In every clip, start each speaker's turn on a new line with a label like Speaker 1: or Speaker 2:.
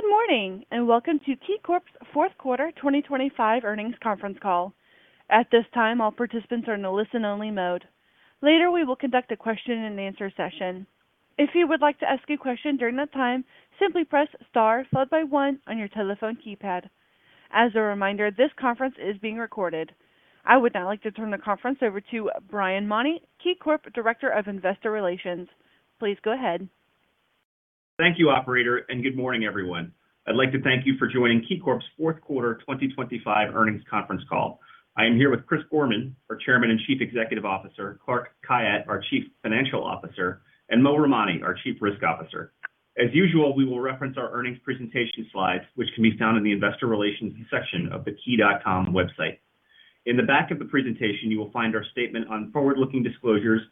Speaker 1: Good morning, and welcome to KeyCorp's Fourth Quarter 2025 earnings conference call. At this time, all participants are in a listen-only mode. Later, we will conduct a question-and-answer session. If you would like to ask a question during that time, simply press star followed by one on your telephone keypad. As a reminder, this conference is being recorded. I would now like to turn the conference over to Brian Mauney, KeyCorp Director of Investor Relations. Please go ahead.
Speaker 2: Thank you, operator, and good morning, everyone. I'd like to thank you for joining KeyCorp's Fourth Quarter 2025 earnings conference call. I am here with Chris Gorman, our Chairman and Chief Executive Officer, Clark Khayat, our Chief Financial Officer, and Mo Ramani, our Chief Risk Officer. As usual, we will reference our earnings presentation slides, which can be found in the Investor Relations section of the key.com website. In the back of the presentation, you will find our statement on forward-looking disclosures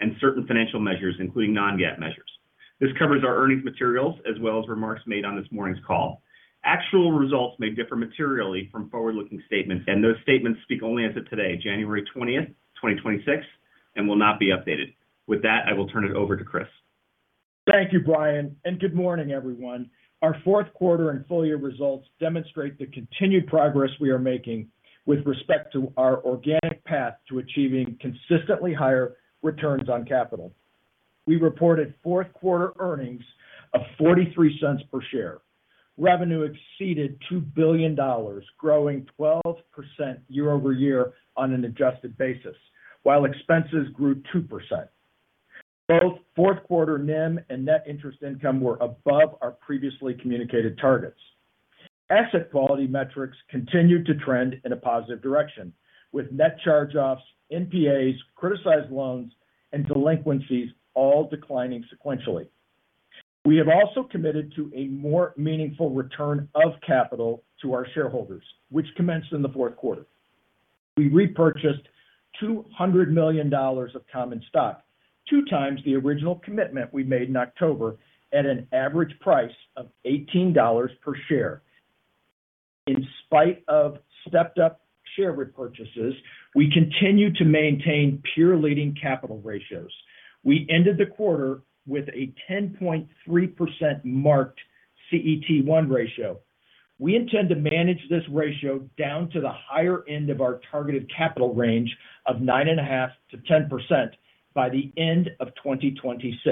Speaker 2: and certain financial measures, including non-GAAP measures. This covers our earnings materials as well as remarks made on this morning's call. Actual results may differ materially from forward-looking statements, and those statements speak only as of today, January 20th, 2026, and will not be updated. With that, I will turn it over to Chris.
Speaker 3: Thank you, Brian, and good morning, everyone. Our fourth quarter and full-year results demonstrate the continued progress we are making with respect to our organic path to achieving consistently higher returns on capital. We reported fourth quarter earnings of $0.43 per share. Revenue exceeded $2 billion, growing 12% year-over-year on an adjusted basis, while expenses grew 2%. Both fourth quarter NIM and net interest income were above our previously communicated targets. Asset quality metrics continued to trend in a positive direction, with net charge-offs, NPAs, criticized loans, and delinquencies all declining sequentially. We have also committed to a more meaningful return of capital to our shareholders, which commenced in the fourth quarter. We repurchased $200 million of common stock, two times the original commitment we made in October at an average price of $18 per share. In spite of stepped-up share repurchases, we continue to maintain peer-leading capital ratios. We ended the quarter with a 10.3% marked CET1 ratio. We intend to manage this ratio down to the higher end of our targeted capital range of 9.5%-10% by the end of 2026.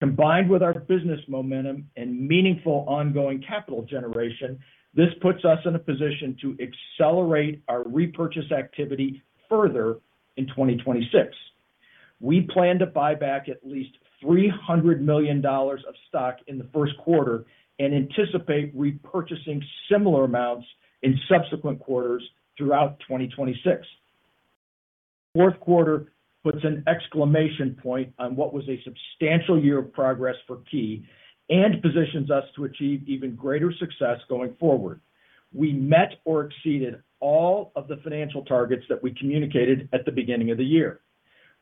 Speaker 3: Combined with our business momentum and meaningful ongoing capital generation, this puts us in a position to accelerate our repurchase activity further in 2026. We plan to buy back at least $300 million of stock in the first quarter and anticipate repurchasing similar amounts in subsequent quarters throughout 2026. Fourth quarter puts an exclamation point on what was a substantial year of progress for Key and positions us to achieve even greater success going forward. We met or exceeded all of the financial targets that we communicated at the beginning of the year.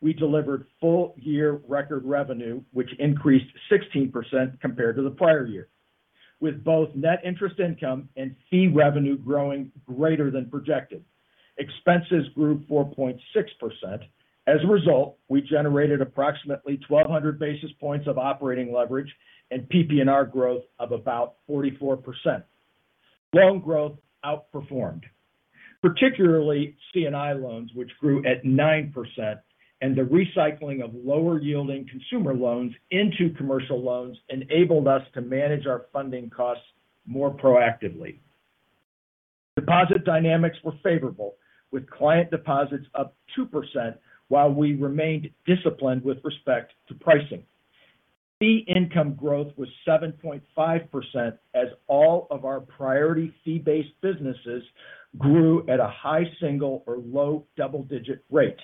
Speaker 3: We delivered full-year record revenue, which increased 16% compared to the prior year, with both net interest income and fee revenue growing greater than projected. Expenses grew 4.6%. As a result, we generated approximately 1,200 basis points of operating leverage and PP&R growth of about 44%. Loan growth outperformed, particularly C&I loans, which grew at 9%, and the recycling of lower-yielding consumer loans into commercial loans enabled us to manage our funding costs more proactively. Deposit dynamics were favorable, with client deposits up 2%, while we remained disciplined with respect to pricing. Fee income growth was 7.5% as all of our priority fee-based businesses grew at a high single or low double-digit rate.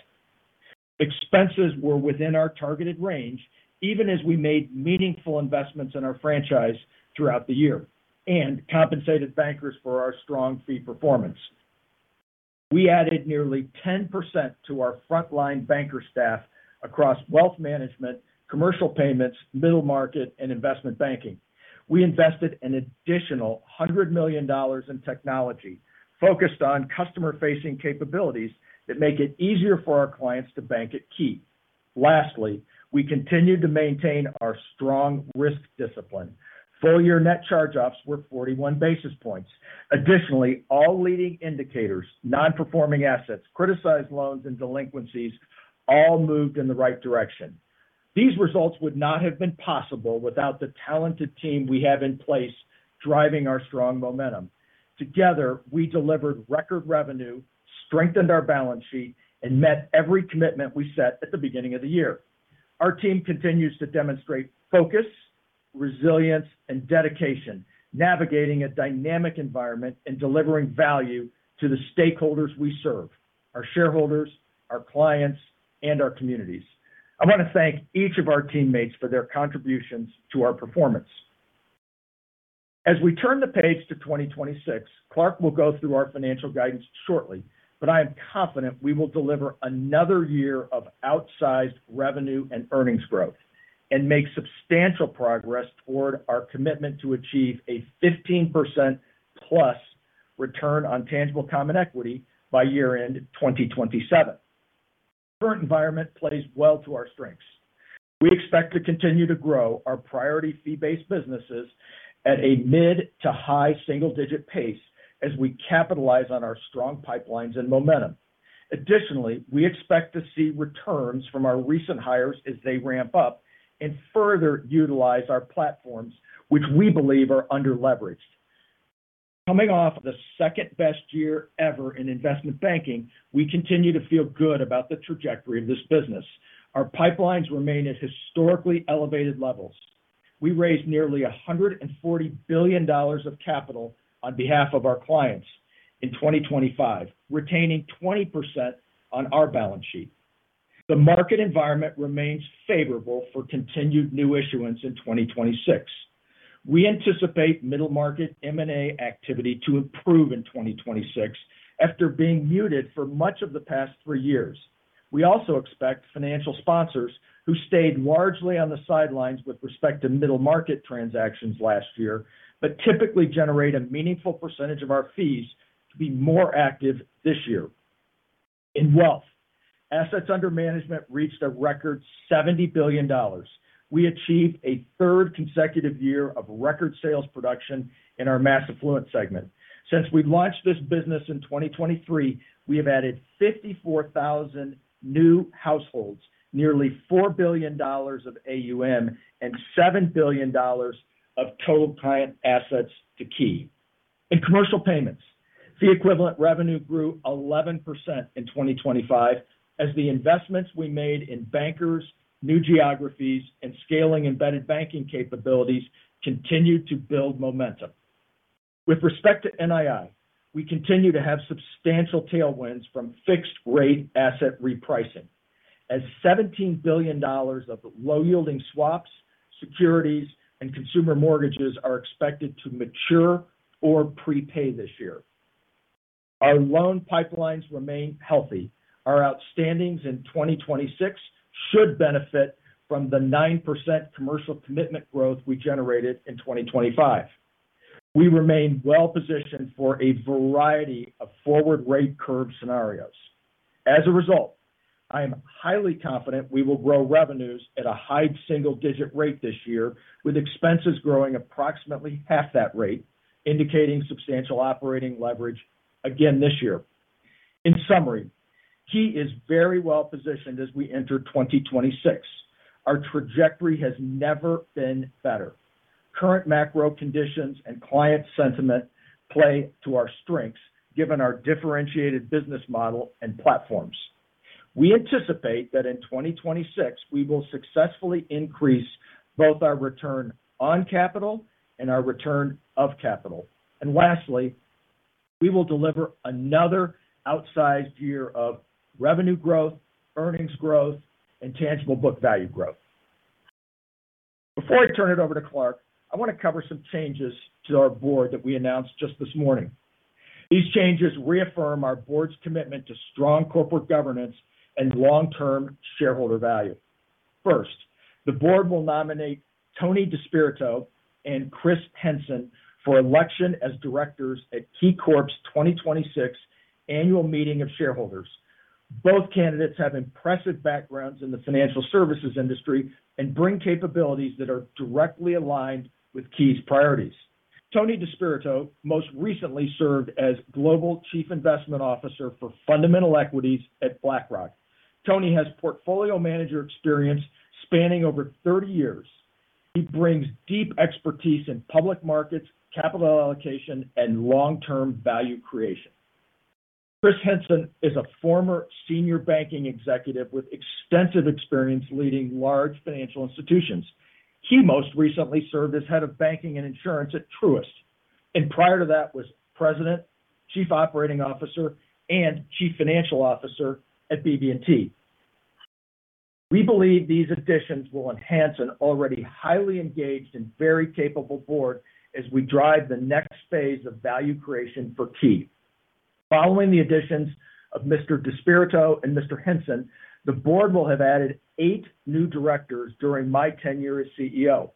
Speaker 3: Expenses were within our targeted range, even as we made meaningful investments in our franchise throughout the year and compensated bankers for our strong fee performance. We added nearly 10% to our frontline banker staff across wealth management, commercial payments, middle market, and investment banking. We invested an additional $100 million in technology, focused on customer-facing capabilities that make it easier for our clients to bank at Key. Lastly, we continued to maintain our strong risk discipline. Full-year net charge-offs were 41 basis points. Additionally, all leading indicators, non-performing assets, criticized loans, and delinquencies all moved in the right direction. These results would not have been possible without the talented team we have in place driving our strong momentum. Together, we delivered record revenue, strengthened our balance sheet, and met every commitment we set at the beginning of the year. Our team continues to demonstrate focus, resilience, and dedication, navigating a dynamic environment and delivering value to the stakeholders we serve: our shareholders, our clients, and our communities. I want to thank each of our teammates for their contributions to our performance. As we turn the page to 2026, Clark will go through our financial guidance shortly, but I am confident we will deliver another year of outsized revenue and earnings growth and make substantial progress toward our commitment to achieve a 15%-plus return on tangible common equity by year-end 2027. The current environment plays well to our strengths. We expect to continue to grow our priority fee-based businesses at a mid to high single-digit pace as we capitalize on our strong pipelines and momentum. Additionally, we expect to see returns from our recent hires as they ramp up and further utilize our platforms, which we believe are under-leveraged. Coming off the second-best year ever in investment banking, we continue to feel good about the trajectory of this business. Our pipelines remain at historically elevated levels. We raised nearly $140 billion of capital on behalf of our clients in 2025, retaining 20% on our balance sheet. The market environment remains favorable for continued new issuance in 2026. We anticipate middle market M&A activity to improve in 2026 after being muted for much of the past three years. We also expect financial sponsors who stayed largely on the sidelines with respect to middle market transactions last year but typically generate a meaningful percentage of our fees to be more active this year. In wealth, assets under management reached a record $70 billion. We achieved a third consecutive year of record sales production in our mass affluent segment. Since we launched this business in 2023, we have added 54,000 new households, nearly $4 billion of AUM, and $7 billion of total client assets to Key. In commercial payments, fee-equivalent revenue grew 11% in 2025 as the investments we made in bankers, new geographies, and scaling embedded banking capabilities continued to build momentum. With respect to NII, we continue to have substantial tailwinds from fixed-rate asset repricing, as $17 billion of low-yielding swaps, securities, and consumer mortgages are expected to mature or prepay this year. Our loan pipelines remain healthy. Our outstandings in 2026 should benefit from the 9% commercial commitment growth we generated in 2025. We remain well-positioned for a variety of forward-rate curve scenarios. As a result, I am highly confident we will grow revenues at a high single-digit rate this year, with expenses growing approximately half that rate, indicating substantial operating leverage again this year. In summary, Key is very well-positioned as we enter 2026. Our trajectory has never been better. Current macro conditions and client sentiment play to our strengths, given our differentiated business model and platforms. We anticipate that in 2026, we will successfully increase both our return on capital and our return of capital. And lastly, we will deliver another outsized year of revenue growth, earnings growth, and tangible book value growth. Before I turn it over to Clark, I want to cover some changes to our board that we announced just this morning. These changes reaffirm our board's commitment to strong corporate governance and long-term shareholder value. First, the board will nominate Tony DeSpirito and Chris Henson for election as directors at KeyCorp's 2026 Annual Meeting of Shareholders. Both candidates have impressive backgrounds in the financial services industry and bring capabilities that are directly aligned with Key's priorities. Tony DeSpirito most recently served as Global Chief Investment Officer for Fundamental Equities at BlackRock. Tony has portfolio manager experience spanning over 30 years. He brings deep expertise in public markets, capital allocation, and long-term value creation. Chris Henson is a former senior banking executive with extensive experience leading large financial institutions. He most recently served as head of banking and insurance at Truist, and prior to that was president, chief operating officer, and chief financial officer at BB&T. We believe these additions will enhance an already highly engaged and very capable board as we drive the next phase of value creation for Key. Following the additions of Mr. DeSpirito and Mr. Henson, the board will have added eight new directors during my tenure as CEO.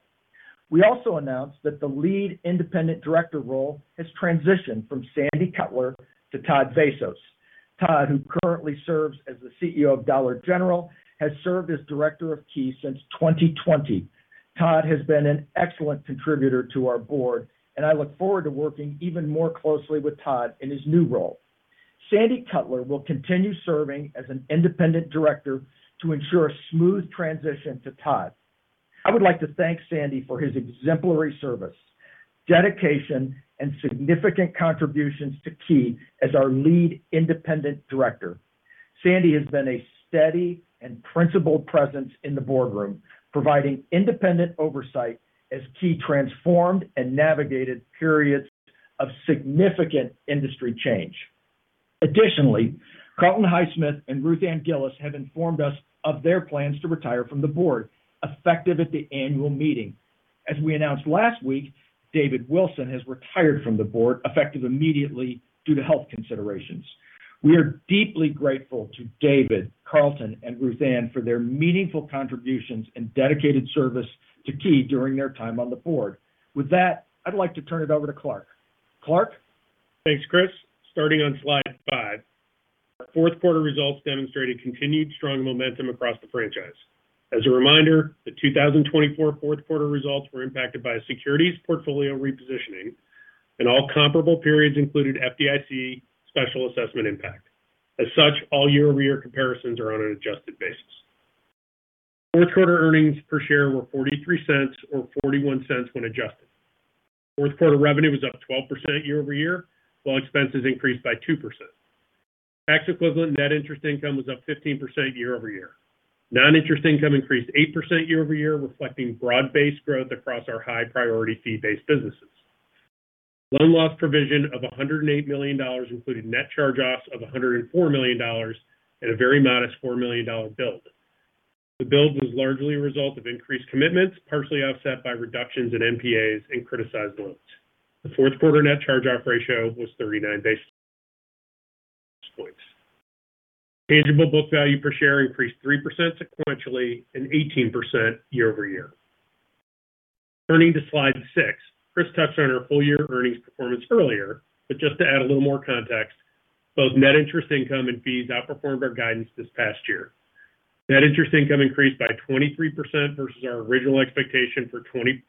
Speaker 3: We also announced that the lead independent director role has transitioned from Sandy Cutler to Todd Vassos. Todd, who currently serves as the CEO of Dollar General, has served as director of Key since 2020. Todd has been an excellent contributor to our board, and I look forward to working even more closely with Todd in his new role. Sandy Cutler will continue serving as an independent director to ensure a smooth transition to Todd. I would like to thank Sandy for his exemplary service, dedication, and significant contributions to Key as our lead independent director. Sandy has been a steady and principled presence in the boardroom, providing independent oversight as Key transformed and navigated periods of significant industry change. Additionally, Carlton Highsmith and Ruth Ann Gillis have informed us of their plans to retire from the board effective at the annual meeting. As we announced last week, David Wilson has retired from the board effective immediately due to health considerations. We are deeply grateful to David, Carlton, and Ruth Ann for their meaningful contributions and dedicated service to Key during their time on the board. With that, I'd like to turn it over to Clark. Clark?
Speaker 4: Thanks, Chris. Starting on slide five, our fourth quarter results demonstrated continued strong momentum across the franchise. As a reminder, the 2024 fourth quarter results were impacted by securities portfolio repositioning, and all comparable periods included FDIC special assessment impact. As such, all year-over-year comparisons are on an adjusted basis. Fourth quarter earnings per share were $0.43 or $0.41 when adjusted. Fourth quarter revenue was up 12% year-over-year, while expenses increased by 2%. Tax-equivalent net interest income was up 15% year-over-year. Non-interest income increased 8% year-over-year, reflecting broad-based growth across our high-priority fee-based businesses. Loan loss provision of $108 million included net charge-offs of $104 million and a very modest $4 million build. The build was largely a result of increased commitments, partially offset by reductions in NPAs and criticized loans. The fourth quarter net charge-off ratio was 39 basis points. Tangible book value per share increased 3% sequentially and 18% year-over-year. Turning to slide six, Chris touched on our full-year earnings performance earlier, but just to add a little more context, both net interest income and fees outperformed our guidance this past year. Net interest income increased by 23% versus our original expectation for 20%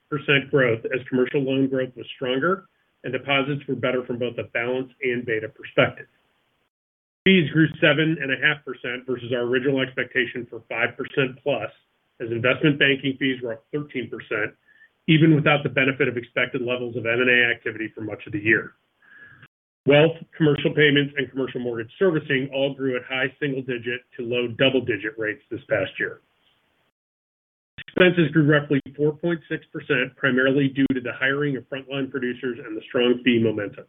Speaker 4: growth as commercial loan growth was stronger and deposits were better from both a balance and beta perspective. Fees grew 7.5% versus our original expectation for 5%-plus as investment banking fees were up 13%, even without the benefit of expected levels of M&A activity for much of the year. Wealth, commercial payments, and commercial mortgage servicing all grew at high single-digit to low double-digit rates this past year. Expenses grew roughly 4.6%, primarily due to the hiring of frontline producers and the strong fee momentum.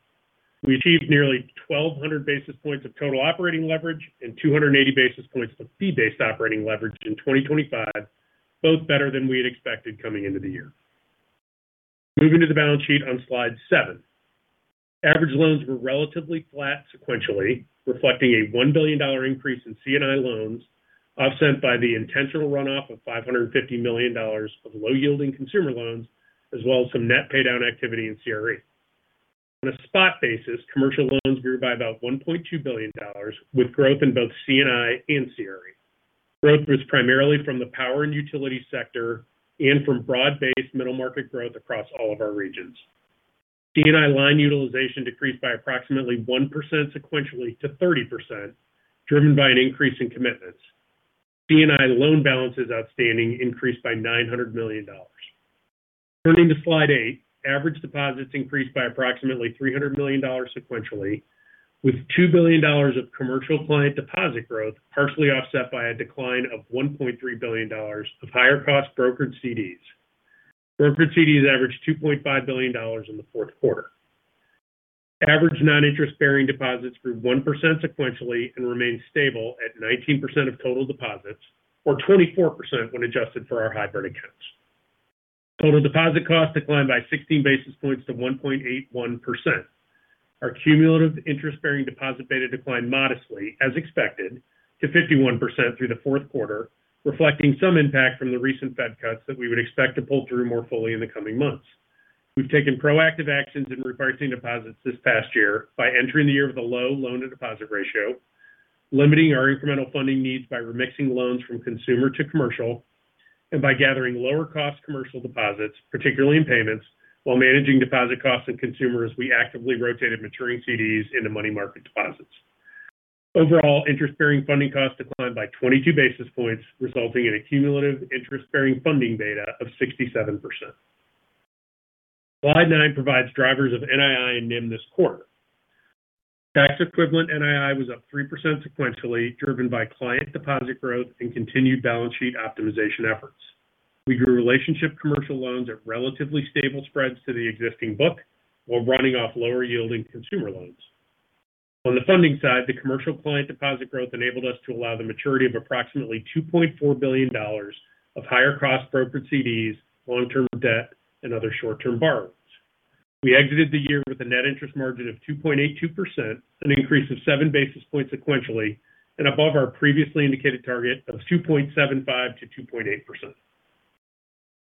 Speaker 4: We achieved nearly 1,200 basis points of total operating leverage and 280 basis points of fee-based operating leverage in 2025, both better than we had expected coming into the year. Moving to the balance sheet on slide seven, average loans were relatively flat sequentially, reflecting a $1 billion increase in C&I loans, offset by the intentional runoff of $550 million of low-yielding consumer loans, as well as some net paydown activity in CRE. On a spot basis, commercial loans grew by about $1.2 billion, with growth in both C&I and CRE. Growth was primarily from the power and utility sector and from broad-based middle market growth across all of our regions. C&I line utilization decreased by approximately 1% sequentially to 30%, driven by an increase in commitments. C&I loan balances outstanding increased by $900 million. Turning to slide eight, average deposits increased by approximately $300 million sequentially, with $2 billion of commercial client deposit growth, partially offset by a decline of $1.3 billion of higher-cost brokered CDs. Brokered CDs averaged $2.5 billion in the fourth quarter. Average non-interest-bearing deposits grew 1% sequentially and remained stable at 19% of total deposits, or 24% when adjusted for our hybrid accounts. Total deposit costs declined by 16 basis points to 1.81%. Our cumulative interest-bearing deposit beta declined modestly, as expected, to 51% through the fourth quarter, reflecting some impact from the recent Fed cuts that we would expect to pull through more fully in the coming months. We've taken proactive actions in repricing deposits this past year by entering the year with a low loan-to-deposit ratio, limiting our incremental funding needs by remixing loans from consumer to commercial, and by gathering lower-cost commercial deposits, particularly in payments, while managing deposit costs and consumer as we actively rotated maturing CDs into money market deposits. Overall, interest-bearing funding costs declined by 22 basis points, resulting in a cumulative interest-bearing funding beta of 67%. Slide nine provides drivers of NII and NIM this quarter. Tax-equivalent NII was up 3% sequentially, driven by client deposit growth and continued balance sheet optimization efforts. We grew relationship commercial loans at relatively stable spreads to the existing book while running off lower-yielding consumer loans. On the funding side, the commercial client deposit growth enabled us to allow the maturity of approximately $2.4 billion of higher-cost brokered CDs, long-term debt, and other short-term borrowings. We exited the year with a net interest margin of 2.82%, an increase of 7 basis points sequentially, and above our previously indicated target of 2.75%-2.8%.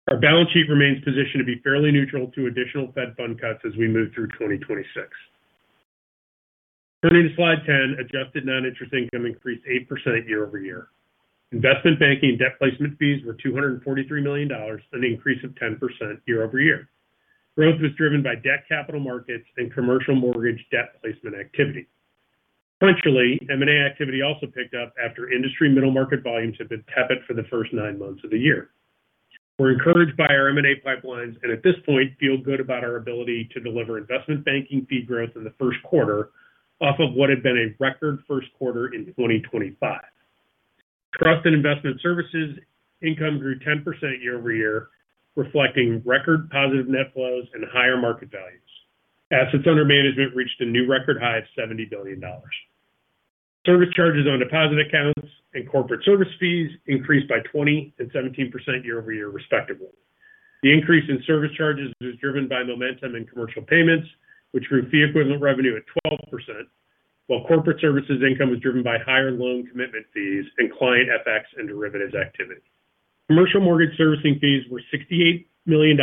Speaker 4: Our balance sheet remains positioned to be fairly neutral to additional Fed funds cuts as we move through 2026. Turning to slide 10, adjusted non-interest income increased 8% year-over-year. Investment banking and debt placement fees were $243 million, an increase of 10% year-over-year. Growth was driven by debt capital markets and commercial mortgage debt placement activity. Sequentially, M&A activity also picked up after industry middle market volumes had been tepid for the first nine months of the year. We're encouraged by our M&A pipelines and at this point feel good about our ability to deliver investment banking fee growth in the first quarter off of what had been a record first quarter in 2025. Trust and investment services income grew 10% year-over-year, reflecting record positive net flows and higher market values. Assets under management reached a new record high of $70 billion. Service charges on deposit accounts and corporate service fees increased by 20% and 17% year-over-year, respectively. The increase in service charges was driven by momentum in commercial payments, which grew fee-equivalent revenue at 12%, while corporate services income was driven by higher loan commitment fees and client FX and derivatives activity. Commercial mortgage servicing fees were $68 million,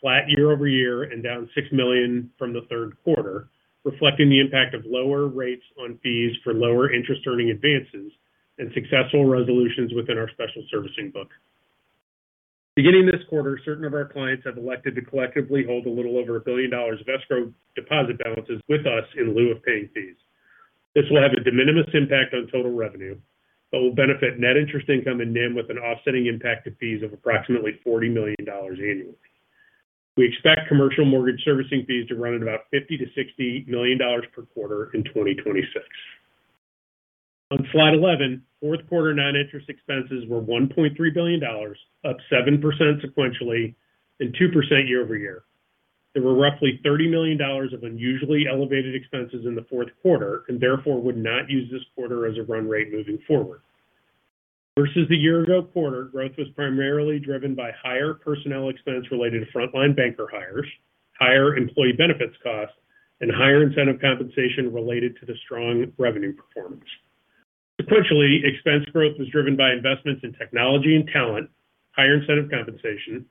Speaker 4: flat year-over-year and down $6 million from the third quarter, reflecting the impact of lower rates on fees for lower interest-earning advances and successful resolutions within our special servicing book. Beginning this quarter, certain of our clients have elected to collectively hold a little over $1 billion of escrow deposit balances with us in lieu of paying fees. This will have a de minimis impact on total revenue, but will benefit net interest income and NIM with an offsetting impact to fees of approximately $40 million annually. We expect commercial mortgage servicing fees to run at about $50-$60 million per quarter in 2026. On slide 11, fourth quarter non-interest expenses were $1.3 billion, up 7% sequentially and 2% year-over-year. There were roughly $30 million of unusually elevated expenses in the fourth quarter and therefore would not use this quarter as a run rate moving forward. Versus the year-ago quarter, growth was primarily driven by higher personnel expense related to frontline banker hires, higher employee benefits costs, and higher incentive compensation related to the strong revenue performance. Sequentially, expense growth was driven by investments in technology and talent, higher incentive compensation,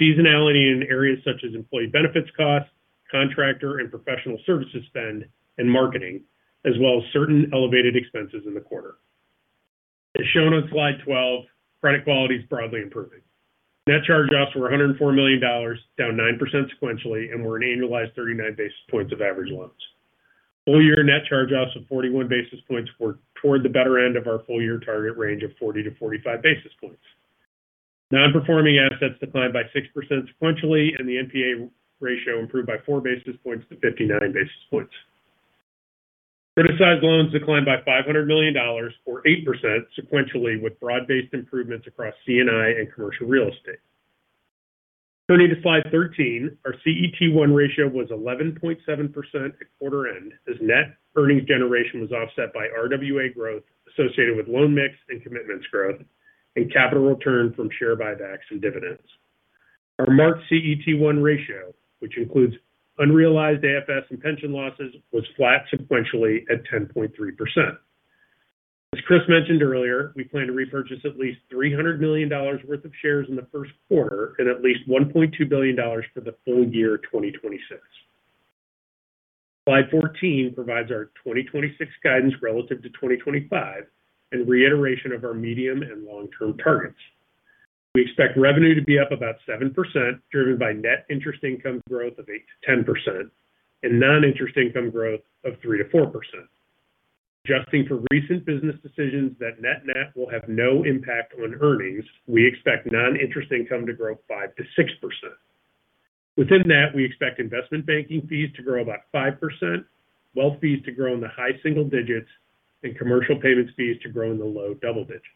Speaker 4: seasonality in areas such as employee benefits costs, contractor and professional services spend, and marketing, as well as certain elevated expenses in the quarter. As shown on slide 12, credit quality is broadly improving. Net charge-offs were $104 million, down 9% sequentially, and were an annualized 39 basis points of average loans. Full-year net charge-offs of 41 basis points were toward the better end of our full-year target range of 40 to 45 basis points. Non-performing assets declined by 6% sequentially, and the NPA ratio improved by 4 basis points to 59 basis points. Criticized loans declined by $500 million, or 8% sequentially, with broad-based improvements across C&I and commercial real estate. Turning to slide 13, our CET1 ratio was 11.7% at quarter end as net earnings generation was offset by RWA growth associated with loan mix and commitments growth and capital return from share buybacks and dividends. Our marked CET1 ratio, which includes unrealized AFS and pension losses, was flat sequentially at 10.3%. As Chris mentioned earlier, we plan to repurchase at least $300 million worth of shares in the first quarter and at least $1.2 billion for the full year 2026. Slide 14 provides our 2026 guidance relative to 2025 and reiteration of our medium and long-term targets. We expect revenue to be up about 7%, driven by net interest income growth of 8%-10% and non-interest income growth of 3%-4%. Adjusting for recent business decisions that net net will have no impact on earnings, we expect non-interest income to grow 5%-6%. Within that, we expect investment banking fees to grow about 5%, wealth fees to grow in the high single digits, and commercial payments fees to grow in the low double digits.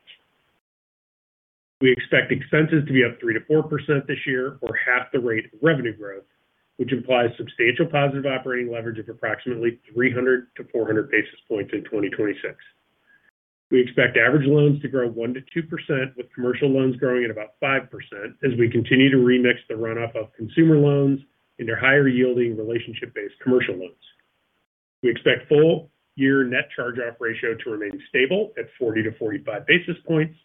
Speaker 4: We expect expenses to be up 3%-4% this year, or half the rate of revenue growth, which implies substantial positive operating leverage of approximately 300-400 basis points in 2026. We expect average loans to grow 1%-2%, with commercial loans growing at about 5% as we continue to remix the runoff of consumer loans into higher-yielding relationship-based commercial loans. We expect full-year net charge-off ratio to remain stable at 40-45 basis points.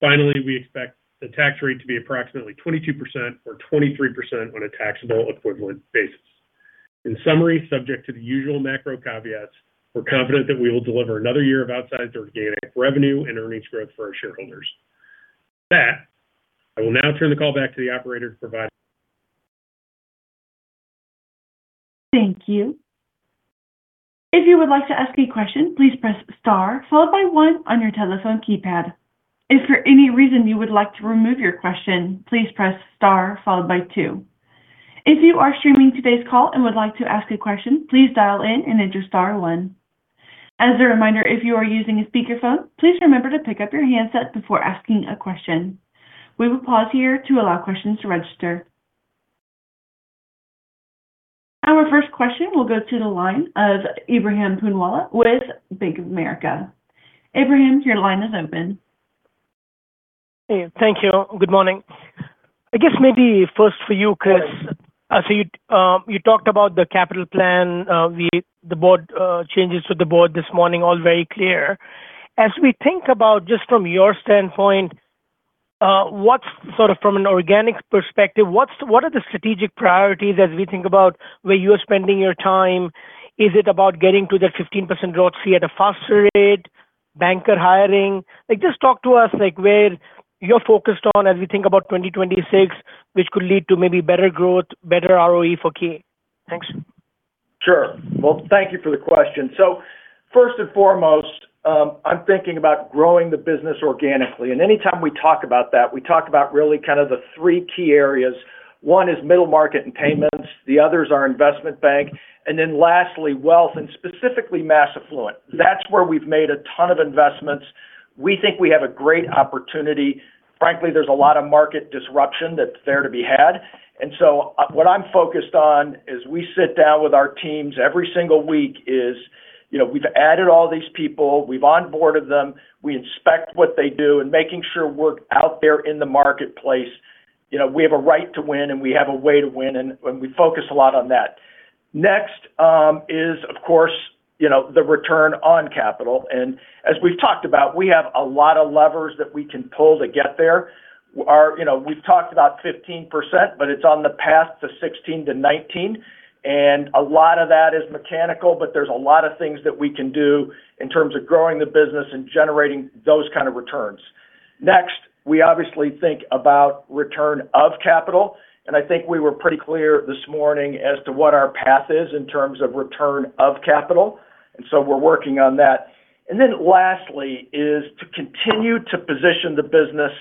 Speaker 4: Finally, we expect the tax rate to be approximately 22% or 23% on a taxable equivalent basis. In summary, subject to the usual macro caveats, we're confident that we will deliver another year of outsized organic revenue and earnings growth for our shareholders. With that, I will now turn the call back to the operator to provide.
Speaker 1: Thank you. If you would like to ask a question, please press star followed by one on your telephone keypad. If for any reason you would like to remove your question, please press star followed by two. If you are streaming today's call and would like to ask a question, please dial in and enter star one. As a reminder, if you are using a speakerphone, please remember to pick up your handset before asking a question. We will pause here to allow questions to register. Our first question will go to the line of Ebrahim Poonawala with Bank of America. Ebrahim, your line is open.
Speaker 5: Hey, thank you. Good morning. I guess maybe first for you, Chris, so you talked about the capital plan, the board changes to the board this morning, all very clear. As we think about just from your standpoint, what's sort of from an organic perspective, what are the strategic priorities as we think about where you are spending your time? Is it about getting to that 15% growth fee at a faster rate, banker hiring? Just talk to us where you're focused on as we think about 2026, which could lead to maybe better growth, better ROE for Key. Thanks.
Speaker 3: Sure. Well, thank you for the question. So first and foremost, I'm thinking about growing the business organically. And anytime we talk about that, we talk about really kind of the three key areas. One is middle market and payments. The others are investment bank. And then lastly, wealth and specifically mass affluent. That's where we've made a ton of investments. We think we have a great opportunity. Frankly, there's a lot of market disruption that's there to be had. And so what I'm focused on as we sit down with our teams every single week is we've added all these people, we've onboarded them, we inspect what they do, and making sure we're out there in the marketplace. We have a right to win and we have a way to win, and we focus a lot on that. Next is, of course, the return on capital. And as we've talked about, we have a lot of levers that we can pull to get there. We've talked about 15%, but it's on the path to 16%-19%. A lot of that is mechanical, but there's a lot of things that we can do in terms of growing the business and generating those kind of returns. Next, we obviously think about return of capital. I think we were pretty clear this morning as to what our path is in terms of return of capital. So we're working on that. Then lastly is to continue to position the business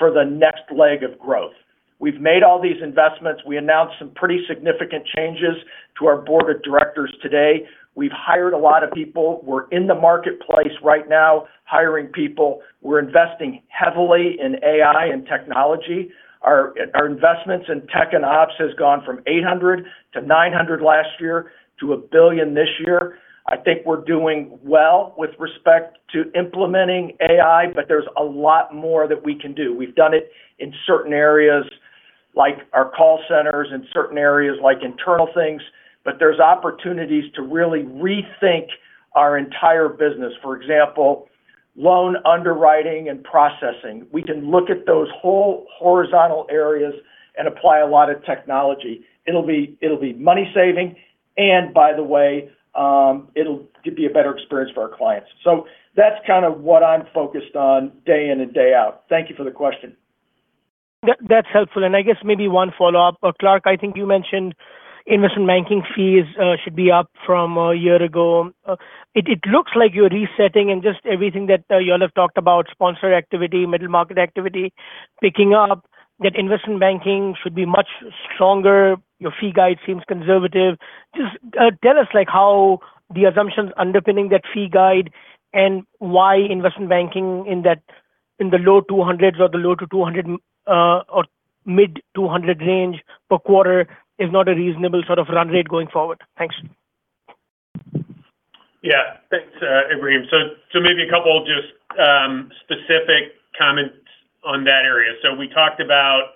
Speaker 3: for the next leg of growth. We've made all these investments. We announced some pretty significant changes to our board of directors today. We've hired a lot of people. We're in the marketplace right now, hiring people. We're investing heavily in AI and technology. Our investments in tech and ops have gone from $800 million to $900 million last year to $1 billion this year. I think we're doing well with respect to implementing AI, but there's a lot more that we can do. We've done it in certain areas like our call centers and certain areas like internal things, but there's opportunities to really rethink our entire business. For example, loan underwriting and processing. We can look at those whole horizontal areas and apply a lot of technology. It'll be money-saving, and by the way, it'll be a better experience for our clients. So that's kind of what I'm focused on day in and day out. Thank you for the question.
Speaker 5: That's helpful. And I guess maybe one follow-up. Clark, I think you mentioned investment banking fees should be up from a year ago. It looks like you're resetting and just everything that you all have talked about, sponsor activity, middle market activity, picking up that investment banking should be much stronger. Your fee guide seems conservative. Just tell us how the assumptions underpinning that fee guide and why investment banking in the low 200s or the low to 200 or mid 200 range per quarter is not a reasonable sort of run rate going forward. Thanks.
Speaker 4: Yeah. Thanks, Ebrahim. So maybe a couple just specific comments on that area. So we talked about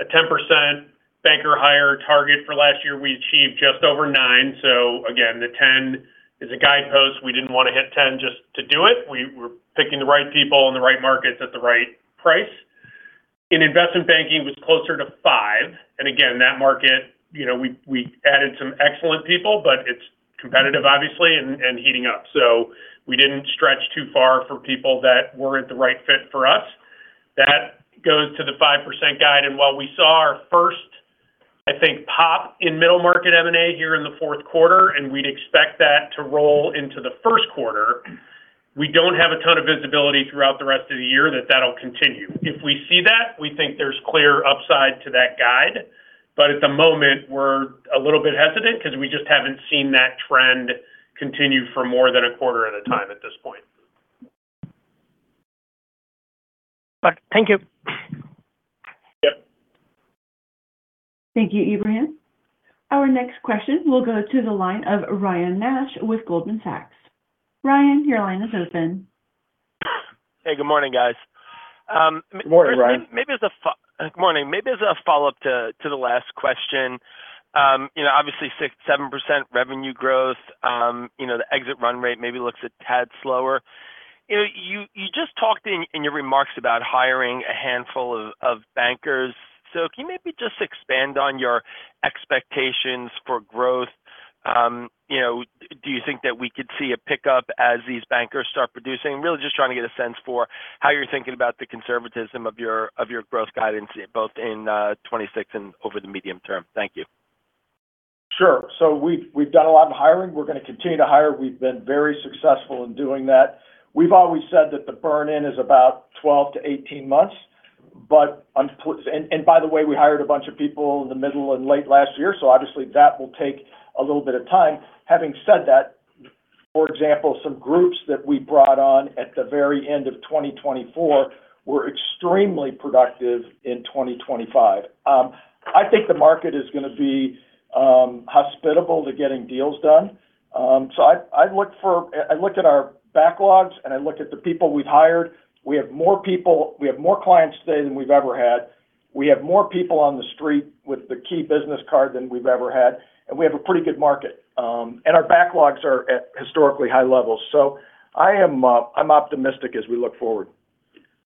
Speaker 4: a 10% banker hire target for last year. We achieved just over nine. So again, the 10 is a guidepost. We didn't want to hit 10 just to do it. We were picking the right people in the right markets at the right price. In investment banking, it was closer to five. And again, that market, we added some excellent people, but it's competitive, obviously, and heating up. So we didn't stretch too far for people that weren't the right fit for us. That goes to the 5% guide, and while we saw our first, I think, pop in middle market M&A here in the fourth quarter, and we'd expect that to roll into the first quarter, we don't have a ton of visibility throughout the rest of the year that that'll continue. If we see that, we think there's clear upside to that guide, but at the moment, we're a little bit hesitant because we just haven't seen that trend continue for more than a quarter of the time at this point.
Speaker 5: Thank you.
Speaker 1: Yep. Thank you, Ebrahim. Our next question will go to the line of Ryan Nash with Goldman Sachs. Ryan, your line is open.
Speaker 6: Hey, good morning, guys.
Speaker 4: Good morning, Ryan.
Speaker 6: Maybe as a good morning. Maybe as a follow-up to the last question. Obviously, 7% revenue growth, the exit run rate maybe looks a tad slower. You just talked in your remarks about hiring a handful of bankers. So can you maybe just expand on your expectations for growth? Do you think that we could see a pickup as these bankers start producing? Really just trying to get a sense for how you're thinking about the conservatism of your growth guidance, both in 2026 and over the medium term. Thank you.
Speaker 3: Sure. We've done a lot of hiring. We're going to continue to hire. We've been very successful in doing that. We've always said that the burn-in is about 12-18 months. By the way, we hired a bunch of people in the middle and late last year. So obviously, that will take a little bit of time. Having said that, for example, some groups that we brought on at the very end of 2024 were extremely productive in 2025. I think the market is going to be hospitable to getting deals done. So I look at our backlogs, and I look at the people we've hired. We have more people. We have more clients today than we've ever had. We have more people on the street with the Key business card than we've ever had. And we have a pretty good market. And our backlogs are at historically high levels. So I'm optimistic as we look forward.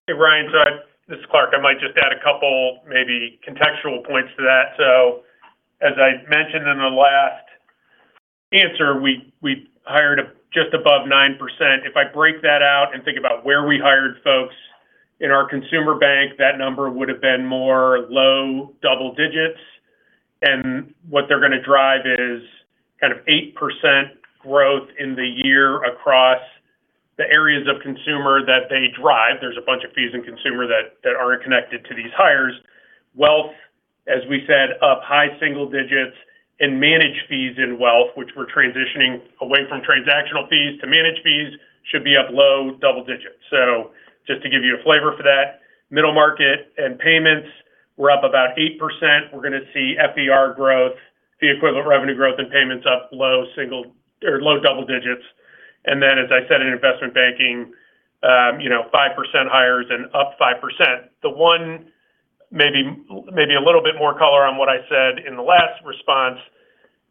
Speaker 4: Hey, Ryan. So this is Clark. I might just add a couple maybe contextual points to that. So as I mentioned in the last answer, we hired just above 9%. If I break that out and think about where we hired folks in our consumer bank, that number would have been more low double digits. What they're going to drive is kind of 8% growth in the year across the areas of consumer that they drive. There's a bunch of fees in consumer that aren't connected to these hires. Wealth, as we said, up high single digits. Manage fees in wealth, which we're transitioning away from transactional fees to manage fees, should be up low double digits. Just to give you a flavor for that, middle market and payments, we're up about 8%. We're going to see FER growth, fee-equivalent revenue growth and payments up low single or low double digits. As I said, in investment banking, 5% hires and up 5%. The one, maybe a little bit more color on what I said in the last response,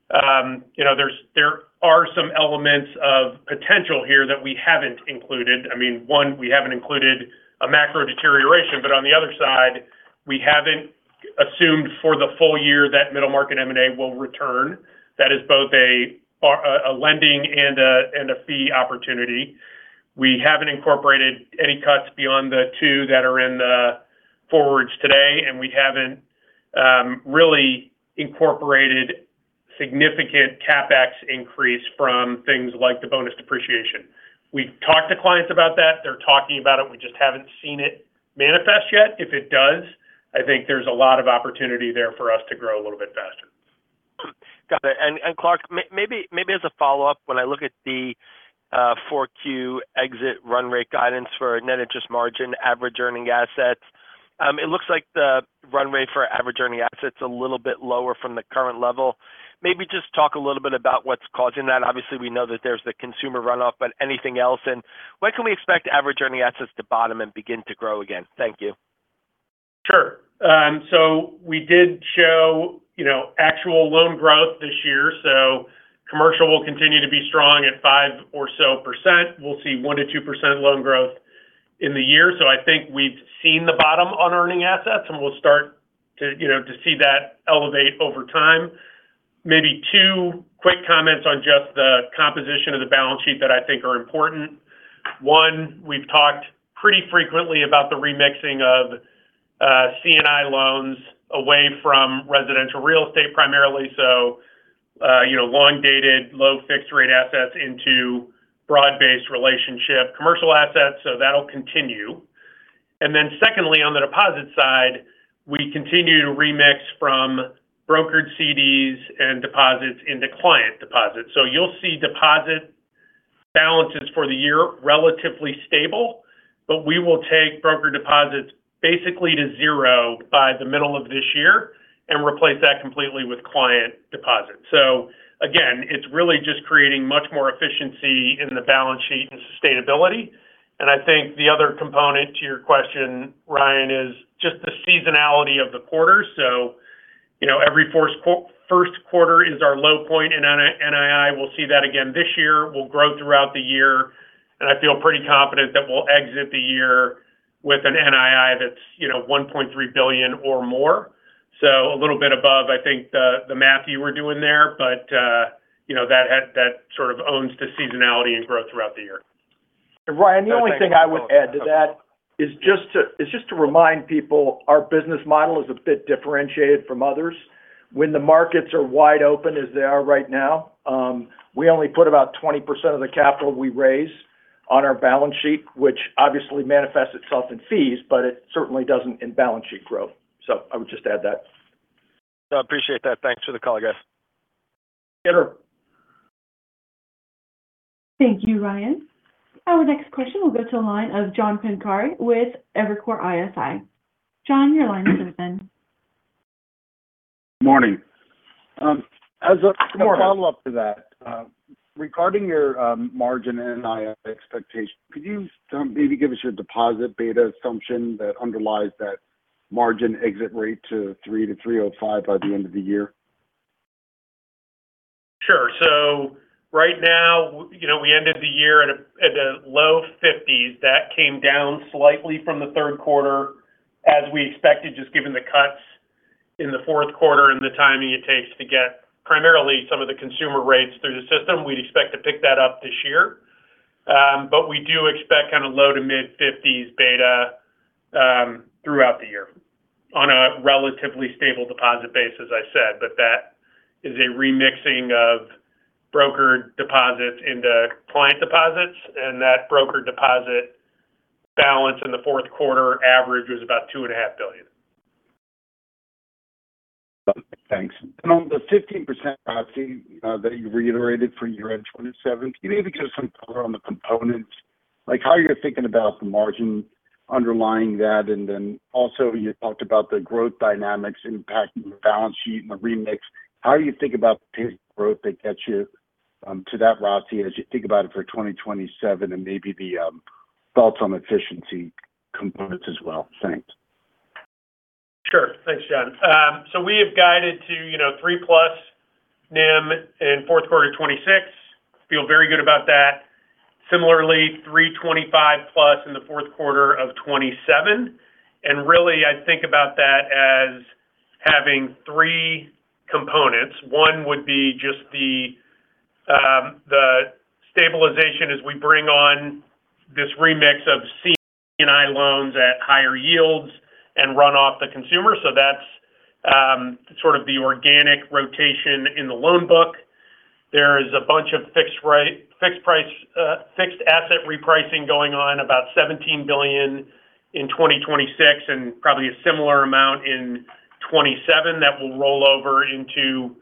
Speaker 4: there are some elements of potential here that we haven't included. I mean, one, we haven't included a macro deterioration. But on the other side, we haven't assumed for the full year that middle market M&A will return. That is both a lending and a fee opportunity. We haven't incorporated any cuts beyond the two that are in the forwards today. And we haven't really incorporated significant CapEx increase from things like the bonus depreciation. We've talked to clients about that. They're talking about it. We just haven't seen it manifest yet. If it does, I think there's a lot of opportunity there for us to grow a little bit faster.
Speaker 6: Got it. And Clark, maybe as a follow-up, when I look at the 4Q exit run rate guidance for net interest margin, average earning assets, it looks like the run rate for average earning assets is a little bit lower from the current level. Maybe just talk a little bit about what's causing that. Obviously, we know that there's the consumer runoff, but anything else? And when can we expect average earning assets to bottom and begin to grow again? Thank you.
Speaker 4: Sure. So we did show actual loan growth this year. So commercial will continue to be strong at 5% or so. We'll see 1% to 2% loan growth in the year. So I think we've seen the bottom on earning assets, and we'll start to see that elevate over time. Maybe two quick comments on just the composition of the balance sheet that I think are important. One, we've talked pretty frequently about the remixing of C&I loans away from residential real estate primarily. So long-dated, low fixed-rate assets into broad-based relationship commercial assets. So that'll continue. And then secondly, on the deposit side, we continue to remix from brokered CDs and deposits into client deposits. So you'll see deposit balances for the year relatively stable. But we will take brokered deposits basically to zero by the middle of this year and replace that completely with client deposits. So again, it's really just creating much more efficiency in the balance sheet and sustainability. And I think the other component to your question, Ryan, is just the seasonality of the quarters. So every first quarter is our low point in NII. We'll see that again this year. We'll grow throughout the year. And I feel pretty confident that we'll exit the year with an NII that's $1.3 billion or more. So a little bit above, I think, the math you were doing there. But that sort of owns the seasonality and growth throughout the year.
Speaker 3: Ryan, the only thing I would add to that is just to remind people our business model is a bit differentiated from others. When the markets are wide open as they are right now, we only put about 20% of the capital we raise on our balance sheet, which obviously manifests itself in fees, but it certainly doesn't in balance sheet growth. So I would just add that.
Speaker 6: I appreciate that. Thanks for the color, guys.
Speaker 1: Thank you, Ryan. Our next question will go to a line of John Pancari with Evercore ISI. John, your line is open.
Speaker 7: Good morning. As a follow-up to that, regarding your margin and NII expectation, could you maybe give us your deposit beta assumption that underlies that margin exit rate to 3% to 3.05% by the end of the year?
Speaker 4: Sure. So right now, we ended the year at a low 50s. That came down slightly from the third quarter as we expected, just given the cuts in the fourth quarter and the timing it takes to get primarily some of the consumer rates through the system. We'd expect to pick that up this year. But we do expect kind of low-to-mid 50s beta throughout the year on a relatively stable deposit base, as I said. But that is a remixing of brokered deposits into client deposits. And that brokered deposit balance in the fourth quarter average was about $2.5 billion.
Speaker 7: Thanks. And on the 15% that you reiterated for year-end 2017, can you maybe give us some color on the components? How are you thinking about the margin underlying that? And then also, you talked about the growth dynamics impacting the balance sheet and the remix. How do you think about the growth that gets you to that routine as you think about it for 2027 and maybe the thoughts on efficiency components as well? Thanks.
Speaker 4: Sure. Thanks, John. So we have guided to 3 plus NIM in fourth quarter 2026. Feel very good about that. Similarly, 3.25 plus in the fourth quarter of 2027. And really, I think about that as having three components. One would be just the stabilization as we bring on this remix of C&I loans at higher yields and run off the consumer. So that's sort of the organic rotation in the loan book. There is a bunch of fixed asset repricing going on, about $17 billion in 2026 and probably a similar amount in 2027 that will roll over into